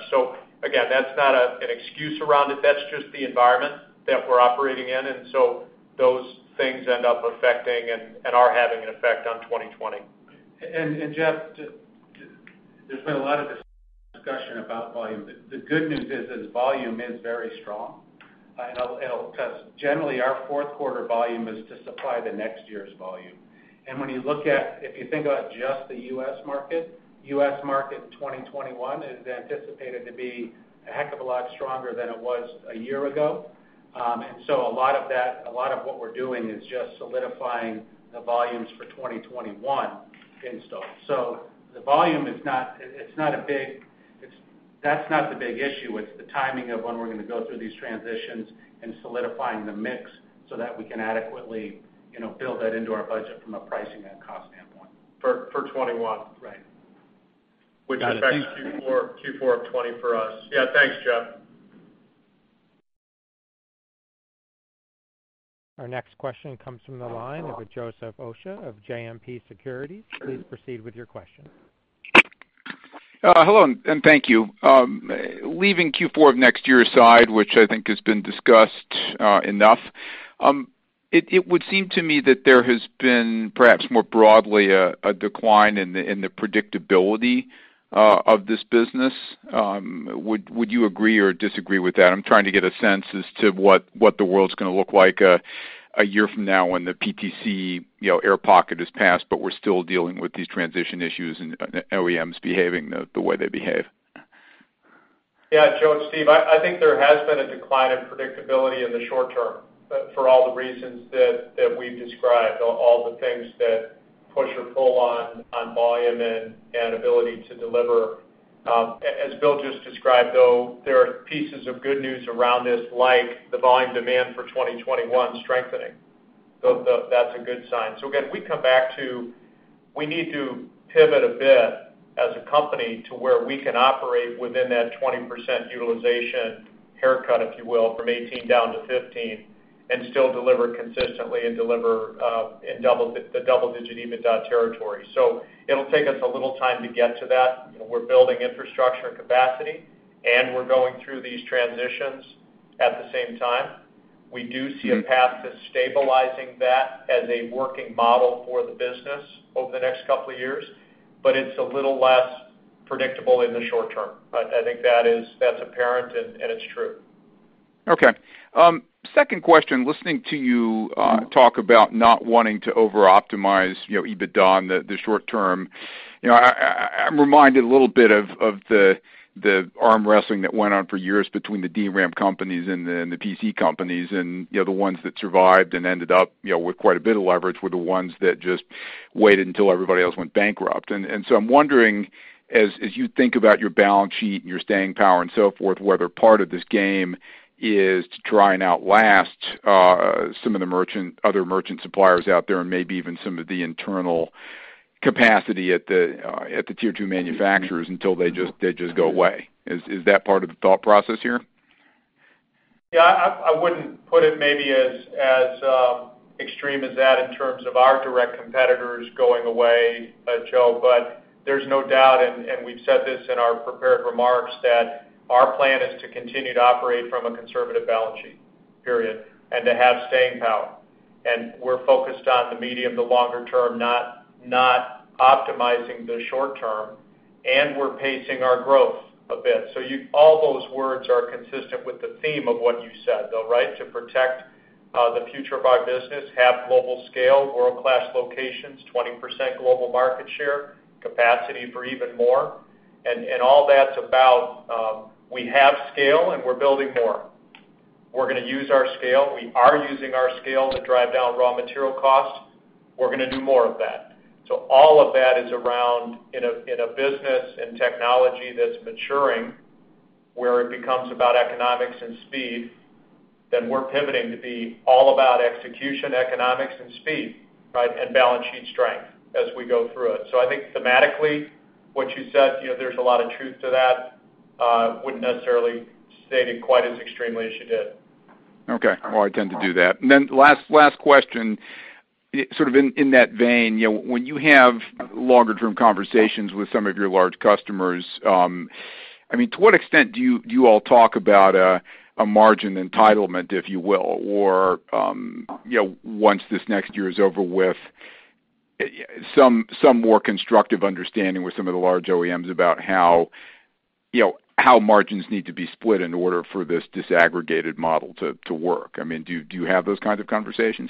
C: Again, that's not an excuse around it. That's just the environment that we're operating in, those things end up affecting and are having an effect on 2020.
D: Jeff, there's been a lot of discussion about volume. The good news is volume is very strong. Generally, our fourth quarter volume is to supply the next year's volume. If you think about just the U.S. market, U.S. market in 2021 is anticipated to be a heck of a lot stronger than it was a year ago. A lot of what we're doing is just solidifying the volumes for 2021 install. The volume, that's not the big issue, it's the timing of when we're going to go through these transitions and solidifying the mix so that we can adequately build that into our budget from a pricing and cost standpoint.
C: For 2021.
D: Right.
C: Which affects Q4 of 2020 for us. Yeah. Thanks, Jeff.
A: Our next question comes from the line of Joseph Osha of JMP Securities. Please proceed with your question.
J: Hello, thank you. Leaving Q4 of next year aside, which I think has been discussed enough, it would seem to me that there has been perhaps more broadly a decline in the predictability of this business. Would you agree or disagree with that? I'm trying to get a sense as to what the world's going to look like a year from now when the PTC air pocket has passed, we're still dealing with these transition issues and OEMs behaving the way they behave.
C: Yeah. Joe, it's Steve, I think there has been a decline in predictability in the short term, for all the reasons that we've described, all the things that push or pull on volume and ability to deliver. As Bill just described, though, there are pieces of good news around this, like the volume demand for 2021 strengthening. That's a good sign. Again, we come back to we need to pivot a bit as a company to where we can operate within that 20% utilization haircut, if you will, from 18 down to 15, and still deliver consistently and deliver the double-digit EBITDA territory. It'll take us a little time to get to that. We're building infrastructure and capacity, and we're going through these transitions at the same time. We do see a path to stabilizing that as a working model for the business over the next couple of years, but it's a little less predictable in the short term. I think that's apparent and it's true.
J: Okay. Second question, listening to you talk about not wanting to over-optimize EBITDA in the short term, I'm reminded a little bit of the arm wrestling that went on for years between the DRAM companies and the PC companies, and the ones that survived and ended up with quite a bit of leverage were the ones that just waited until everybody else went bankrupt. I'm wondering as you think about your balance sheet and your staying power and so forth, whether part of this game is to try and outlast some of the other merchant suppliers out there, and maybe even some of the internal capacity at the tier 2 manufacturers until they just go away. Is that part of the thought process here?
C: Yeah. I wouldn't put it maybe as extreme as that in terms of our direct competitors going away, Joe. There's no doubt, and we've said this in our prepared remarks, that our plan is to continue to operate from a conservative balance sheet. Period. To have staying power. We're focused on the medium to longer term, not optimizing the short term, and we're pacing our growth a bit. All those words are consistent with the theme of what you said, though, right? To protect the future of our business, have global scale, world-class locations, 20% global market share, capacity for even more. All that's about we have scale and we're building more. We're going to use our scale. We are using our scale to drive down raw material costs. We're going to do more of that. All of that is around in a business and technology that's maturing, where it becomes about economics and speed, then we're pivoting to be all about execution, economics, and speed, right. Balance sheet strength as we go through it. I think thematically, what you said, there's a lot of truth to that. Wouldn't necessarily state it quite as extremely as you did.
J: Okay. Well, I tend to do that. Then last question, sort of in that vein, when you have longer term conversations with some of your large customers, to what extent do you all talk about a margin entitlement, if you will? Once this next year is over with, some more constructive understanding with some of the large OEMs about how margins need to be split in order for this disaggregated model to work. Do you have those kinds of conversations?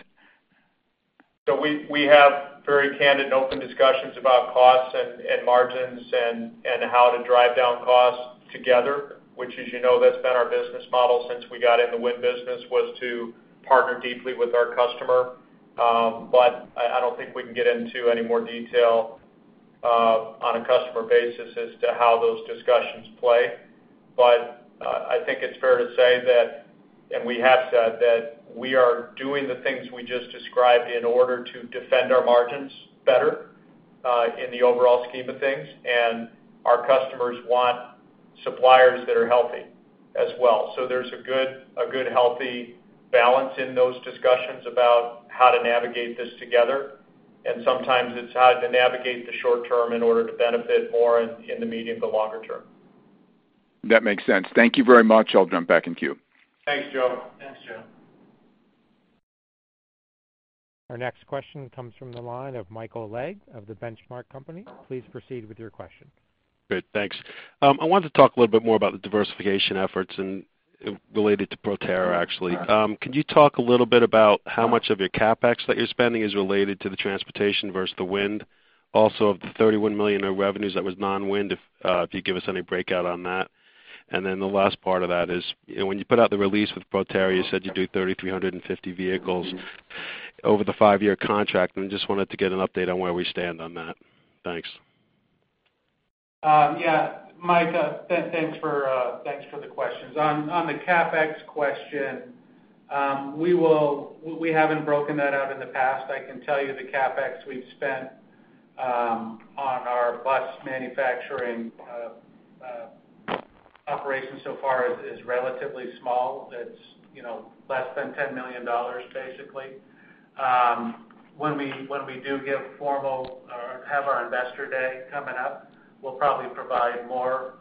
C: We have very candid and open discussions about costs and margins and how to drive down costs together. Which as you know, that's been our business model since we got in the wind business, was to partner deeply with our customer. I don't think we can get into any more detail on a customer basis as to how those discussions play. I think it's fair to say that, and we have said that we are doing the things we just described in order to defend our margins better, in the overall scheme of things, and our customers want suppliers that are healthy as well. There's a good, healthy balance in those discussions about how to navigate this together, and sometimes it's how to navigate the short term in order to benefit more in the medium to longer term.
J: That makes sense. Thank you very much. I'll jump back in queue.
C: Thanks, Joe.
D: Thanks, Joe.
A: Our next question comes from the line of Michael Legg of The Benchmark Company. Please proceed with your question.
K: Great. Thanks. I wanted to talk a little bit more about the diversification efforts and related to Proterra, actually. Can you talk a little bit about how much of your CapEx that you're spending is related to the transportation versus the wind? Of the $31 million of revenues that was non-wind, if you'd give us any breakout on that. The last part of that is, when you put out the release with Proterra, you said you do 3,350 vehicles over the five-year contract, and just wanted to get an update on where we stand on that. Thanks.
D: Yeah. Mike, thanks for the questions. On the CapEx question, we haven't broken that out in the past. I can tell you the CapEx we've spent on our bus manufacturing operation so far is relatively small. That's less than $10 million, basically. When we do give formal or have our Investor Day coming up, we'll probably provide more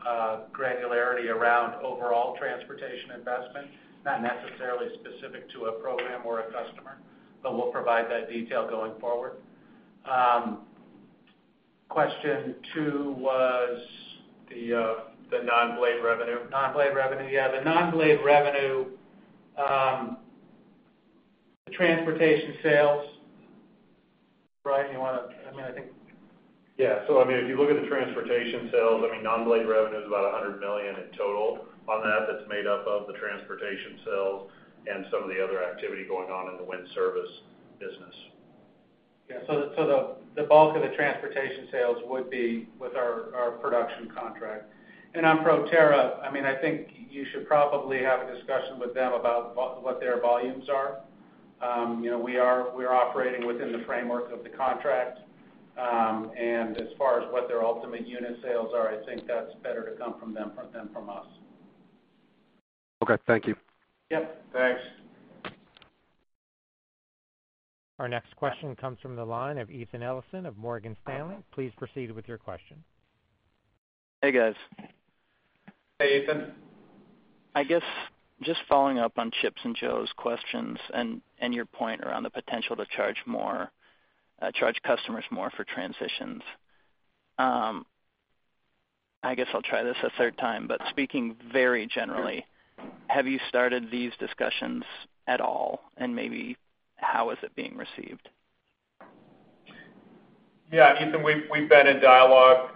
D: granularity around overall transportation investment, not necessarily specific to a program or a customer, but we'll provide that detail going forward. Question two was the-
K: The non-blade revenue.
D: non-blade revenue. Yeah, the non-blade revenue, the transportation sales. Bryan, you want to.
E: Yeah. If you look at the transportation sales, non-blade revenue is about $100 million in total on that. That's made up of the transportation sales and some of the other activity going on in the wind service business.
D: Yeah. The bulk of the transportation sales would be with our production contract. On Proterra, I think you should probably have a discussion with them about what their volumes are. We are operating within the framework of the contract. As far as what their ultimate unit sales are, I think that's better to come from them than from us.
K: Okay, thank you.
D: Yep. Thanks.
A: Our next question comes from the line of Ethan Ellison of Morgan Stanley. Please proceed with your question.
L: Hey, guys.
C: Hey, Ethan.
L: I guess just following up on Chip's and Joe's questions and your point around the potential to charge customers more for transitions. I guess I'll try this a third time. Speaking very generally, have you started these discussions at all, and maybe how is it being received?
C: Yeah, Ethan, we've been in dialogue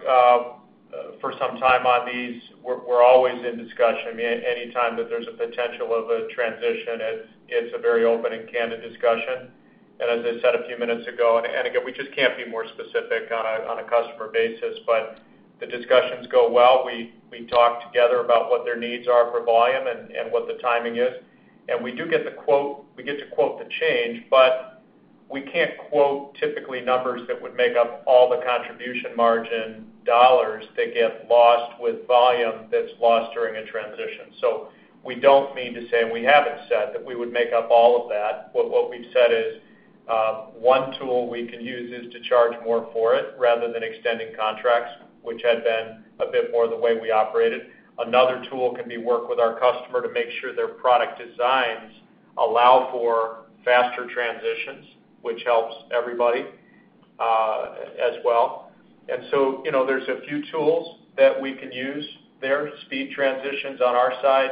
C: for some time on these. We're always in discussion. Anytime that there's a potential of a transition, it's a very open and candid discussion. As I said a few minutes ago, and again, we just can't be more specific on a customer basis, but the discussions go well. We talk together about what their needs are for volume and what the timing is. We do get to quote the change, but we can't quote typically numbers that would make up all the contribution margin dollar that get lost with volume that's lost during a transition. We don't mean to say, and we haven't said that we would make up all of that. What we've said is, one tool we can use is to charge more for it rather than extending contracts, which had been a bit more the way we operated. Another tool can be work with our customer to make sure their product designs allow for faster transitions, which helps everybody, as well. There's a few tools that we can use there. Speed transitions on our side,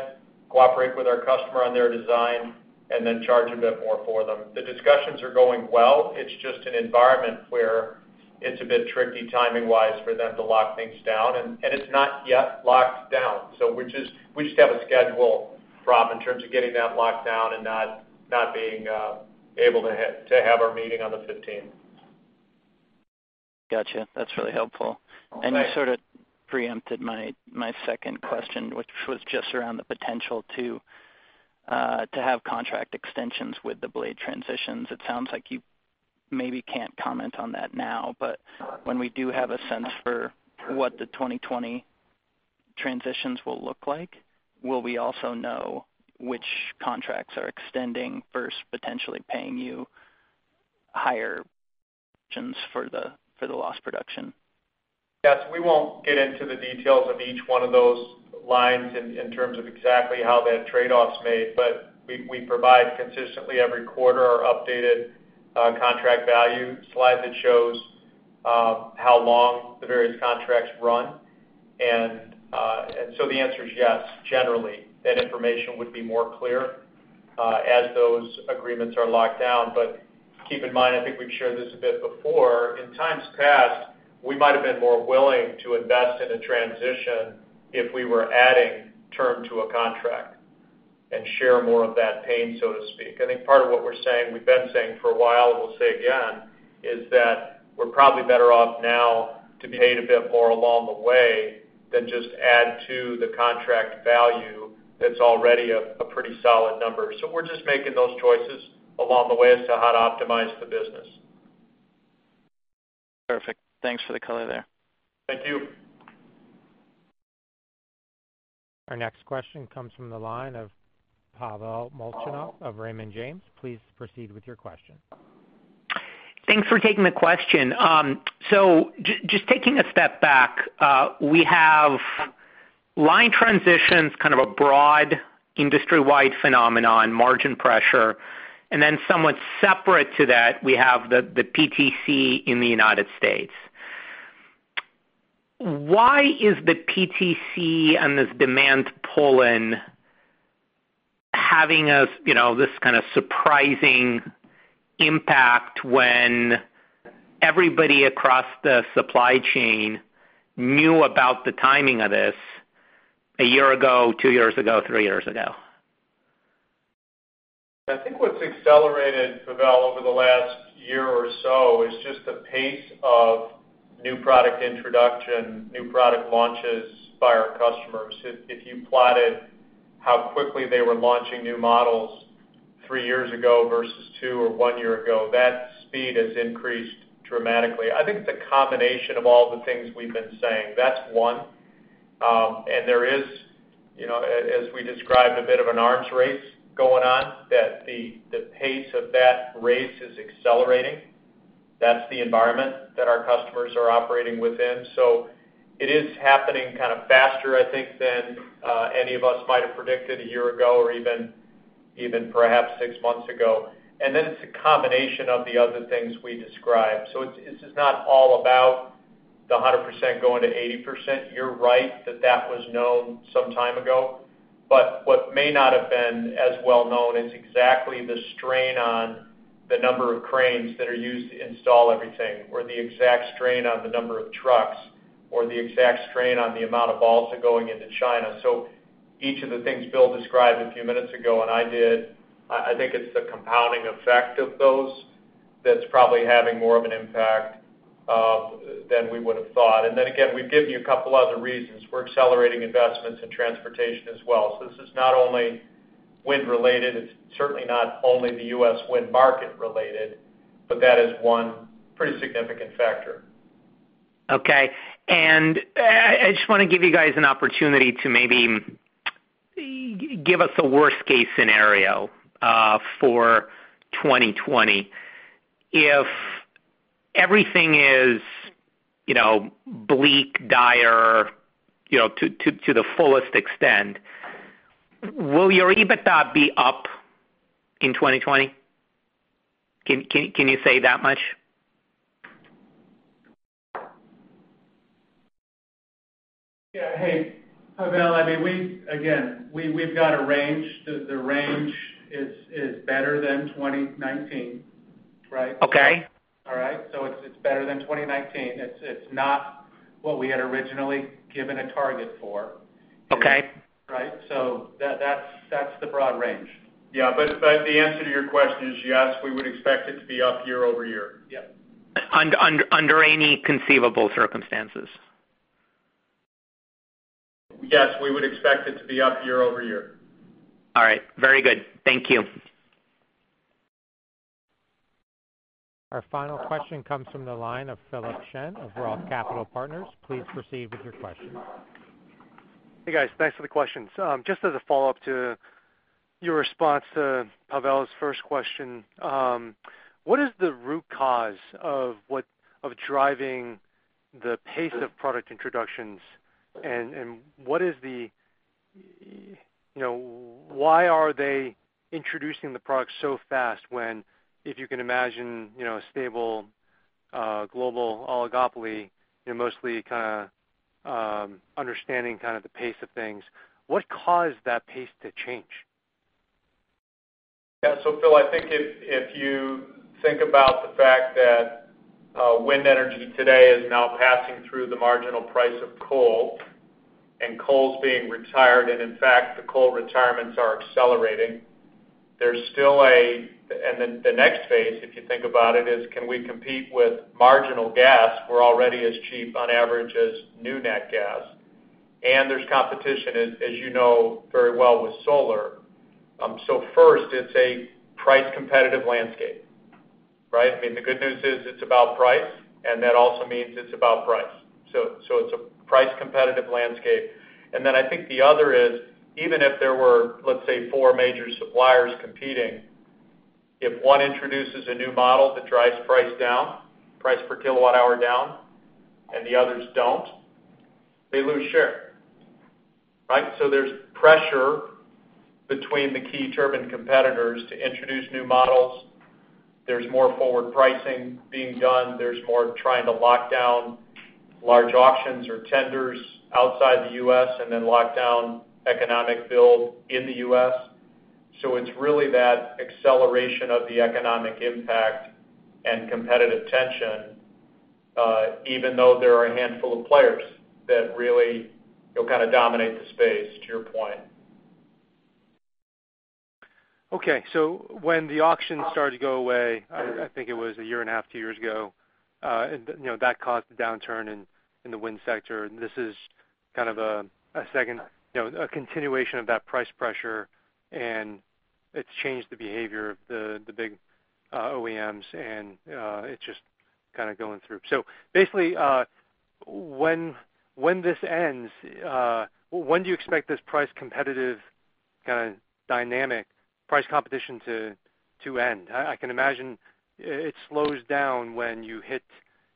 C: cooperate with our customer on their design, and then charge a bit more for them. The discussions are going well. It's just an environment where it's a bit tricky timing-wise for them to lock things down, and it's not yet locked down. We just have a schedule, (rough), in terms of getting that locked down and not being able to have our meeting on the 15th.
L: Got you. That's really helpful.
C: Okay.
L: You sort of preempted my second question, which was just around the potential to have contract extensions with the blade transitions. It sounds like you maybe can't comment on that now, but when we do have a sense for what the 2020 transitions will look like, will we also know which contracts are extending first, potentially paying you higher for the lost production?
C: Yes, we won't get into the details of each one of those lines in terms of exactly how that trade-off's made. We provide consistently every quarter our updated contract value slide that shows how long the various contracts run. The answer is yes. Generally, that information would be more clear, as those agreements are locked down. Keep in mind, I think we've shared this a bit before. In times past, we might have been more willing to invest in a transition if we were adding term to a contract and share more of that pain, so to speak. I think part of what we're saying, we've been saying for a while, and we'll say again, is that we're probably better off now to be paid a bit more along the way than just add to the contract value that's already a pretty solid number. We're just making those choices along the way as to how to optimize the business.
L: Perfect. Thanks for the color there.
C: Thank you.
A: Our next question comes from the line of Pavel Molchanov of Raymond James. Please proceed with your question.
M: Just taking a step back, we have line transitions, kind of a broad industry-wide phenomenon, margin pressure, and then somewhat separate to that, we have the PTC in the United States. Why is the PTC and this demand pull in having this kind of surprising impact when everybody across the supply chain knew about the timing of this? A year ago, two years ago, three years ago.
C: I think what's accelerated, Pavel, over the last year or so is just the pace of new product introduction, new product launches by our customers. If you plotted how quickly they were launching new models three years ago versus two or one year ago, that speed has increased dramatically. I think the combination of all the things we've been saying, that's one. There is, as we described, a bit of an arms race going on, that the pace of that race is accelerating. That's the environment that our customers are operating within. It is happening kind of faster, I think, than any of us might have predicted a year ago or even perhaps six months ago. It's a combination of the other things we described. This is not all about the 100% going to 80%. You're right that that was known some time ago, but what may not have been as well known is exactly the strain on the number of cranes that are used to install everything, or the exact strain on the number of trucks, or the exact strain on the amount of bolts going into China. Each of the things Bill described a few minutes ago and I did, I think it's the compounding effect of those that's probably having more of an impact than we would have thought. Again, we've given you a couple other reasons. We're accelerating investments in transportation as well. This is not only wind-related, it's certainly not only the U.S. wind market-related, but that is one pretty significant factor.
M: Okay. I just want to give you guys an opportunity to maybe give us a worst-case scenario for 2020. If everything is bleak, dire to the fullest extent, will your EBITDA be up in 2020? Can you say that much?
D: Yeah. Hey, Pavel, again, we've got a range. The range is better than 2019, right?
M: Okay.
D: All right. It's better than 2019. It's not what we had originally given a target for.
M: Okay.
D: Right. That's the broad range.
C: Yeah. The answer to your question is yes, we would expect it to be up year-over-year.
D: Yeah.
M: Under any conceivable circumstances?
C: Yes, we would expect it to be up year-over-year.
M: All right. Very good. Thank you.
A: Our final question comes from the line of Philip Shen of ROTH Capital Partners. Please proceed with your question.
N: Hey, guys. Thanks for the questions. Just as a follow-up to your response to Pavel's first question, what is the root cause of driving the pace of product introductions? Why are they introducing the product so fast when, if you can imagine, a stable global oligopoly, mostly understanding the pace of things, what caused that pace to change?
C: Yeah. Philip, I think if you think about the fact that wind energy today is now passing through the marginal price of coal, and coal's being retired, and in fact, the coal retirements are accelerating. The next phase, if you think about it, is can we compete with marginal gas? We're already as cheap on average as new nat gas. There's competition, as you know very well, with solar. First, it's a price-competitive landscape, right? The good news is it's about price, and that also means it's about price. It's a price-competitive landscape. I think the other is, even if there were, let's say, four major suppliers competing, if one introduces a new model that drives price down, price per kilowatt hour down, and the others don't, they lose share, right? There's pressure between the key turbine competitors to introduce new models. There's more forward pricing being done. There's more trying to lock down large auctions or tenders outside the U.S. and then lock down economic build in the U.S. It's really that acceleration of the economic impact and competitive tension, even though there are a handful of players that really dominate the space, to your point.
N: Okay. When the auction started to go away, I think it was a year and a half, two years ago, that caused the downturn in the wind sector. This is kind of a continuation of that price pressure, and it's changed the behavior of the big OEMs, and it's just kind of going through. Basically, when this ends, when do you expect this price competitive kind of dynamic, price competition to end? I can imagine it slows down when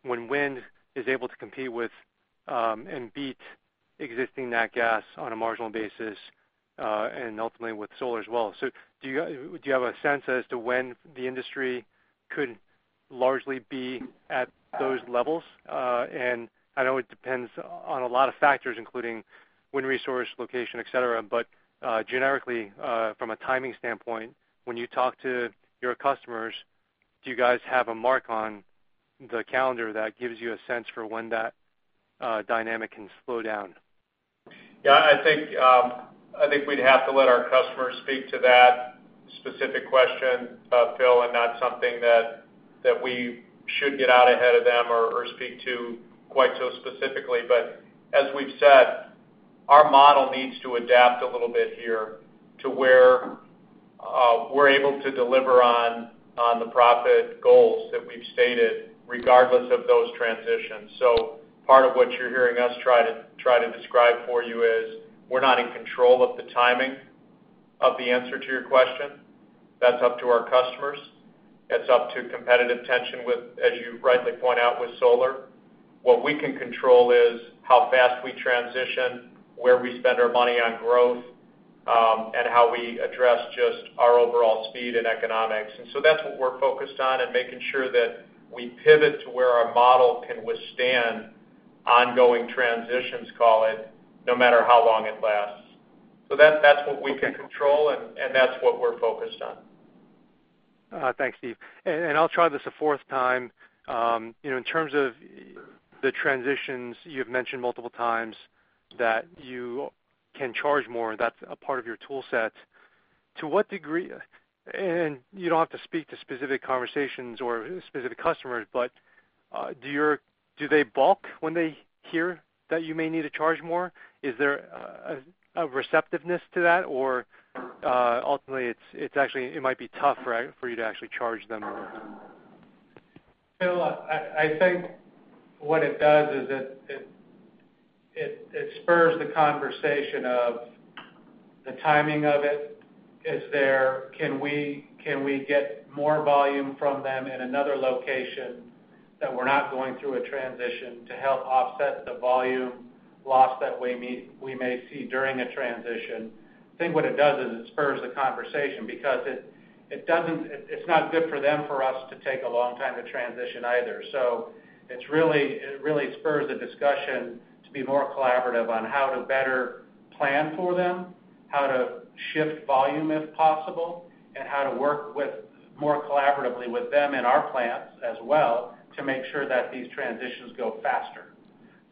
N: wind is able to compete with and beat existing nat gas on a marginal basis, and ultimately with solar as well. Do you have a sense as to when the industry could largely be at those levels? I know it depends on a lot of factors, including wind resource, location, et cetera. Generically, from a timing standpoint, when you talk to your customers, do you guys have a mark on the calendar that gives you a sense for when that dynamic can slow down?
C: I think we'd have to let our customers speak to that specific question, Philip, and not something that we should get out ahead of them or speak to quite so specifically. As we've said, our model needs to adapt a little bit here to where we're able to deliver on the profit goals that we've stated, regardless of those transitions. Part of what you're hearing us try to describe for you is we're not in control of the timing of the answer to your question. That's up to our customers. It's up to competitive tension with, as you rightly point out, with solar. What we can control is how fast we transition, where we spend our money on growth, and how we address just our overall speed and economics. That's what we're focused on and making sure that we pivot to where our model can withstand ongoing transitions, call it, no matter how long it lasts. That's what we can control, and that's what we're focused on.
N: Thanks, Steve. I'll try this a fourth time. In terms of the transitions, you've mentioned multiple times that you can charge more, and that's a part of your tool set. To what degree, and you don't have to speak to specific conversations or specific customers, but do they balk when they hear that you may need to charge more? Is there a receptiveness to that or ultimately it might be tough for you to actually charge them more?
C: Philip, I think what it does is it spurs the conversation of the timing of it. Can we get more volume from them in another location that we're not going through a transition to help offset the volume loss that we may see during a transition? I think what it does is it spurs the conversation because it's not good for them for us to take a long time to transition either. It really spurs the discussion to be more collaborative on how to better plan for them, how to shift volume, if possible, and how to work more collaboratively with them in our plants as well to make sure that these transitions go faster.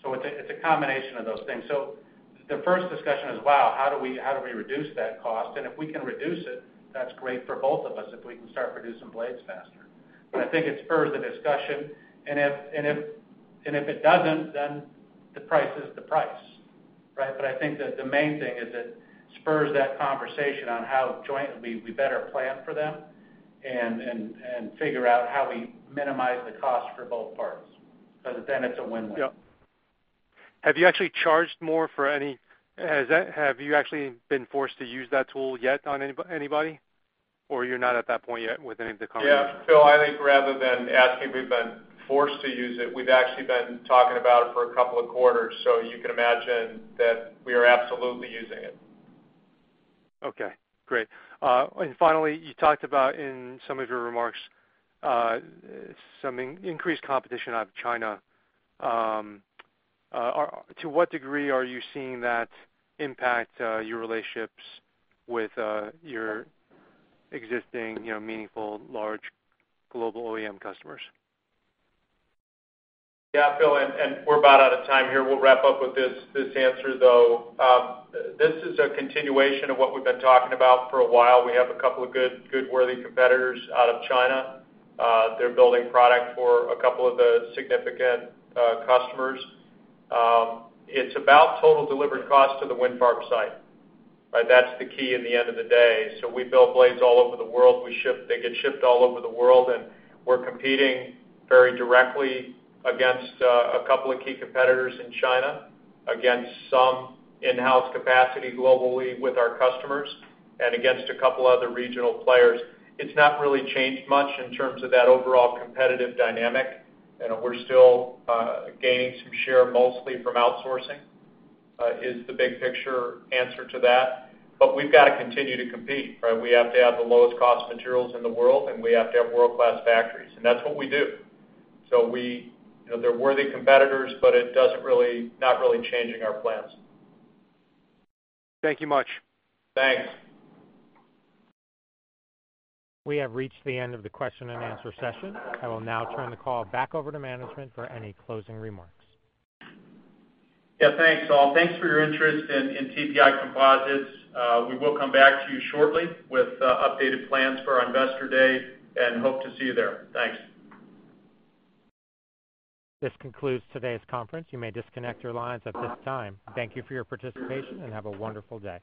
C: It's a combination of those things. The first discussion is, wow, how do we reduce that cost? If we can reduce it, that's great for both of us if we can start producing blades faster. I think it spurs the discussion, and if it doesn't, then the price is the price, right? I think that the main thing is it spurs that conversation on how jointly we better plan for them and figure out how we minimize the cost for both parties. It's a win-win.
N: Yep. Have you actually been forced to use that tool yet on anybody? Or you're not at that point yet with any of the conversations?
C: Yeah, Philip, I think rather than asking if we've been forced to use it, we've actually been talking about it for a couple of quarters. You can imagine that we are absolutely using it.
N: Okay, great. Finally, you talked about in some of your remarks some increased competition out of China. To what degree are you seeing that impact your relationships with your existing meaningful large global OEM customers?
C: Yeah, Philip, we're about out of time here. We'll wrap up with this answer, though. This is a continuation of what we've been talking about for a while. We have a couple of good worthy competitors out of China. They're building product for a couple of the significant customers. It's about total delivered cost to the wind farm site, right? That's the key in the end of the day. We build blades all over the world. They get shipped all over the world, and we're competing very directly against a couple of key competitors in China, against some in-house capacity globally with our customers, and against a couple other regional players. It's not really changed much in terms of that overall competitive dynamic. We're still gaining some share, mostly from outsourcing, is the big picture answer to that. We've got to continue to compete, right? We have to have the lowest cost materials in the world, and we have to have world-class factories, and that's what we do. They're worthy competitors, but not really changing our plans.
N: Thank you much.
C: Thanks.
A: We have reached the end of the question and answer session. I will now turn the call back over to management for any closing remarks.
C: Yeah, thanks, all. Thanks for your interest in TPI Composites. We will come back to you shortly with updated plans for our Investor Day and hope to see you there. Thanks.
A: This concludes today's conference. You may disconnect your lines at this time. Thank you for your participation, and have a wonderful day.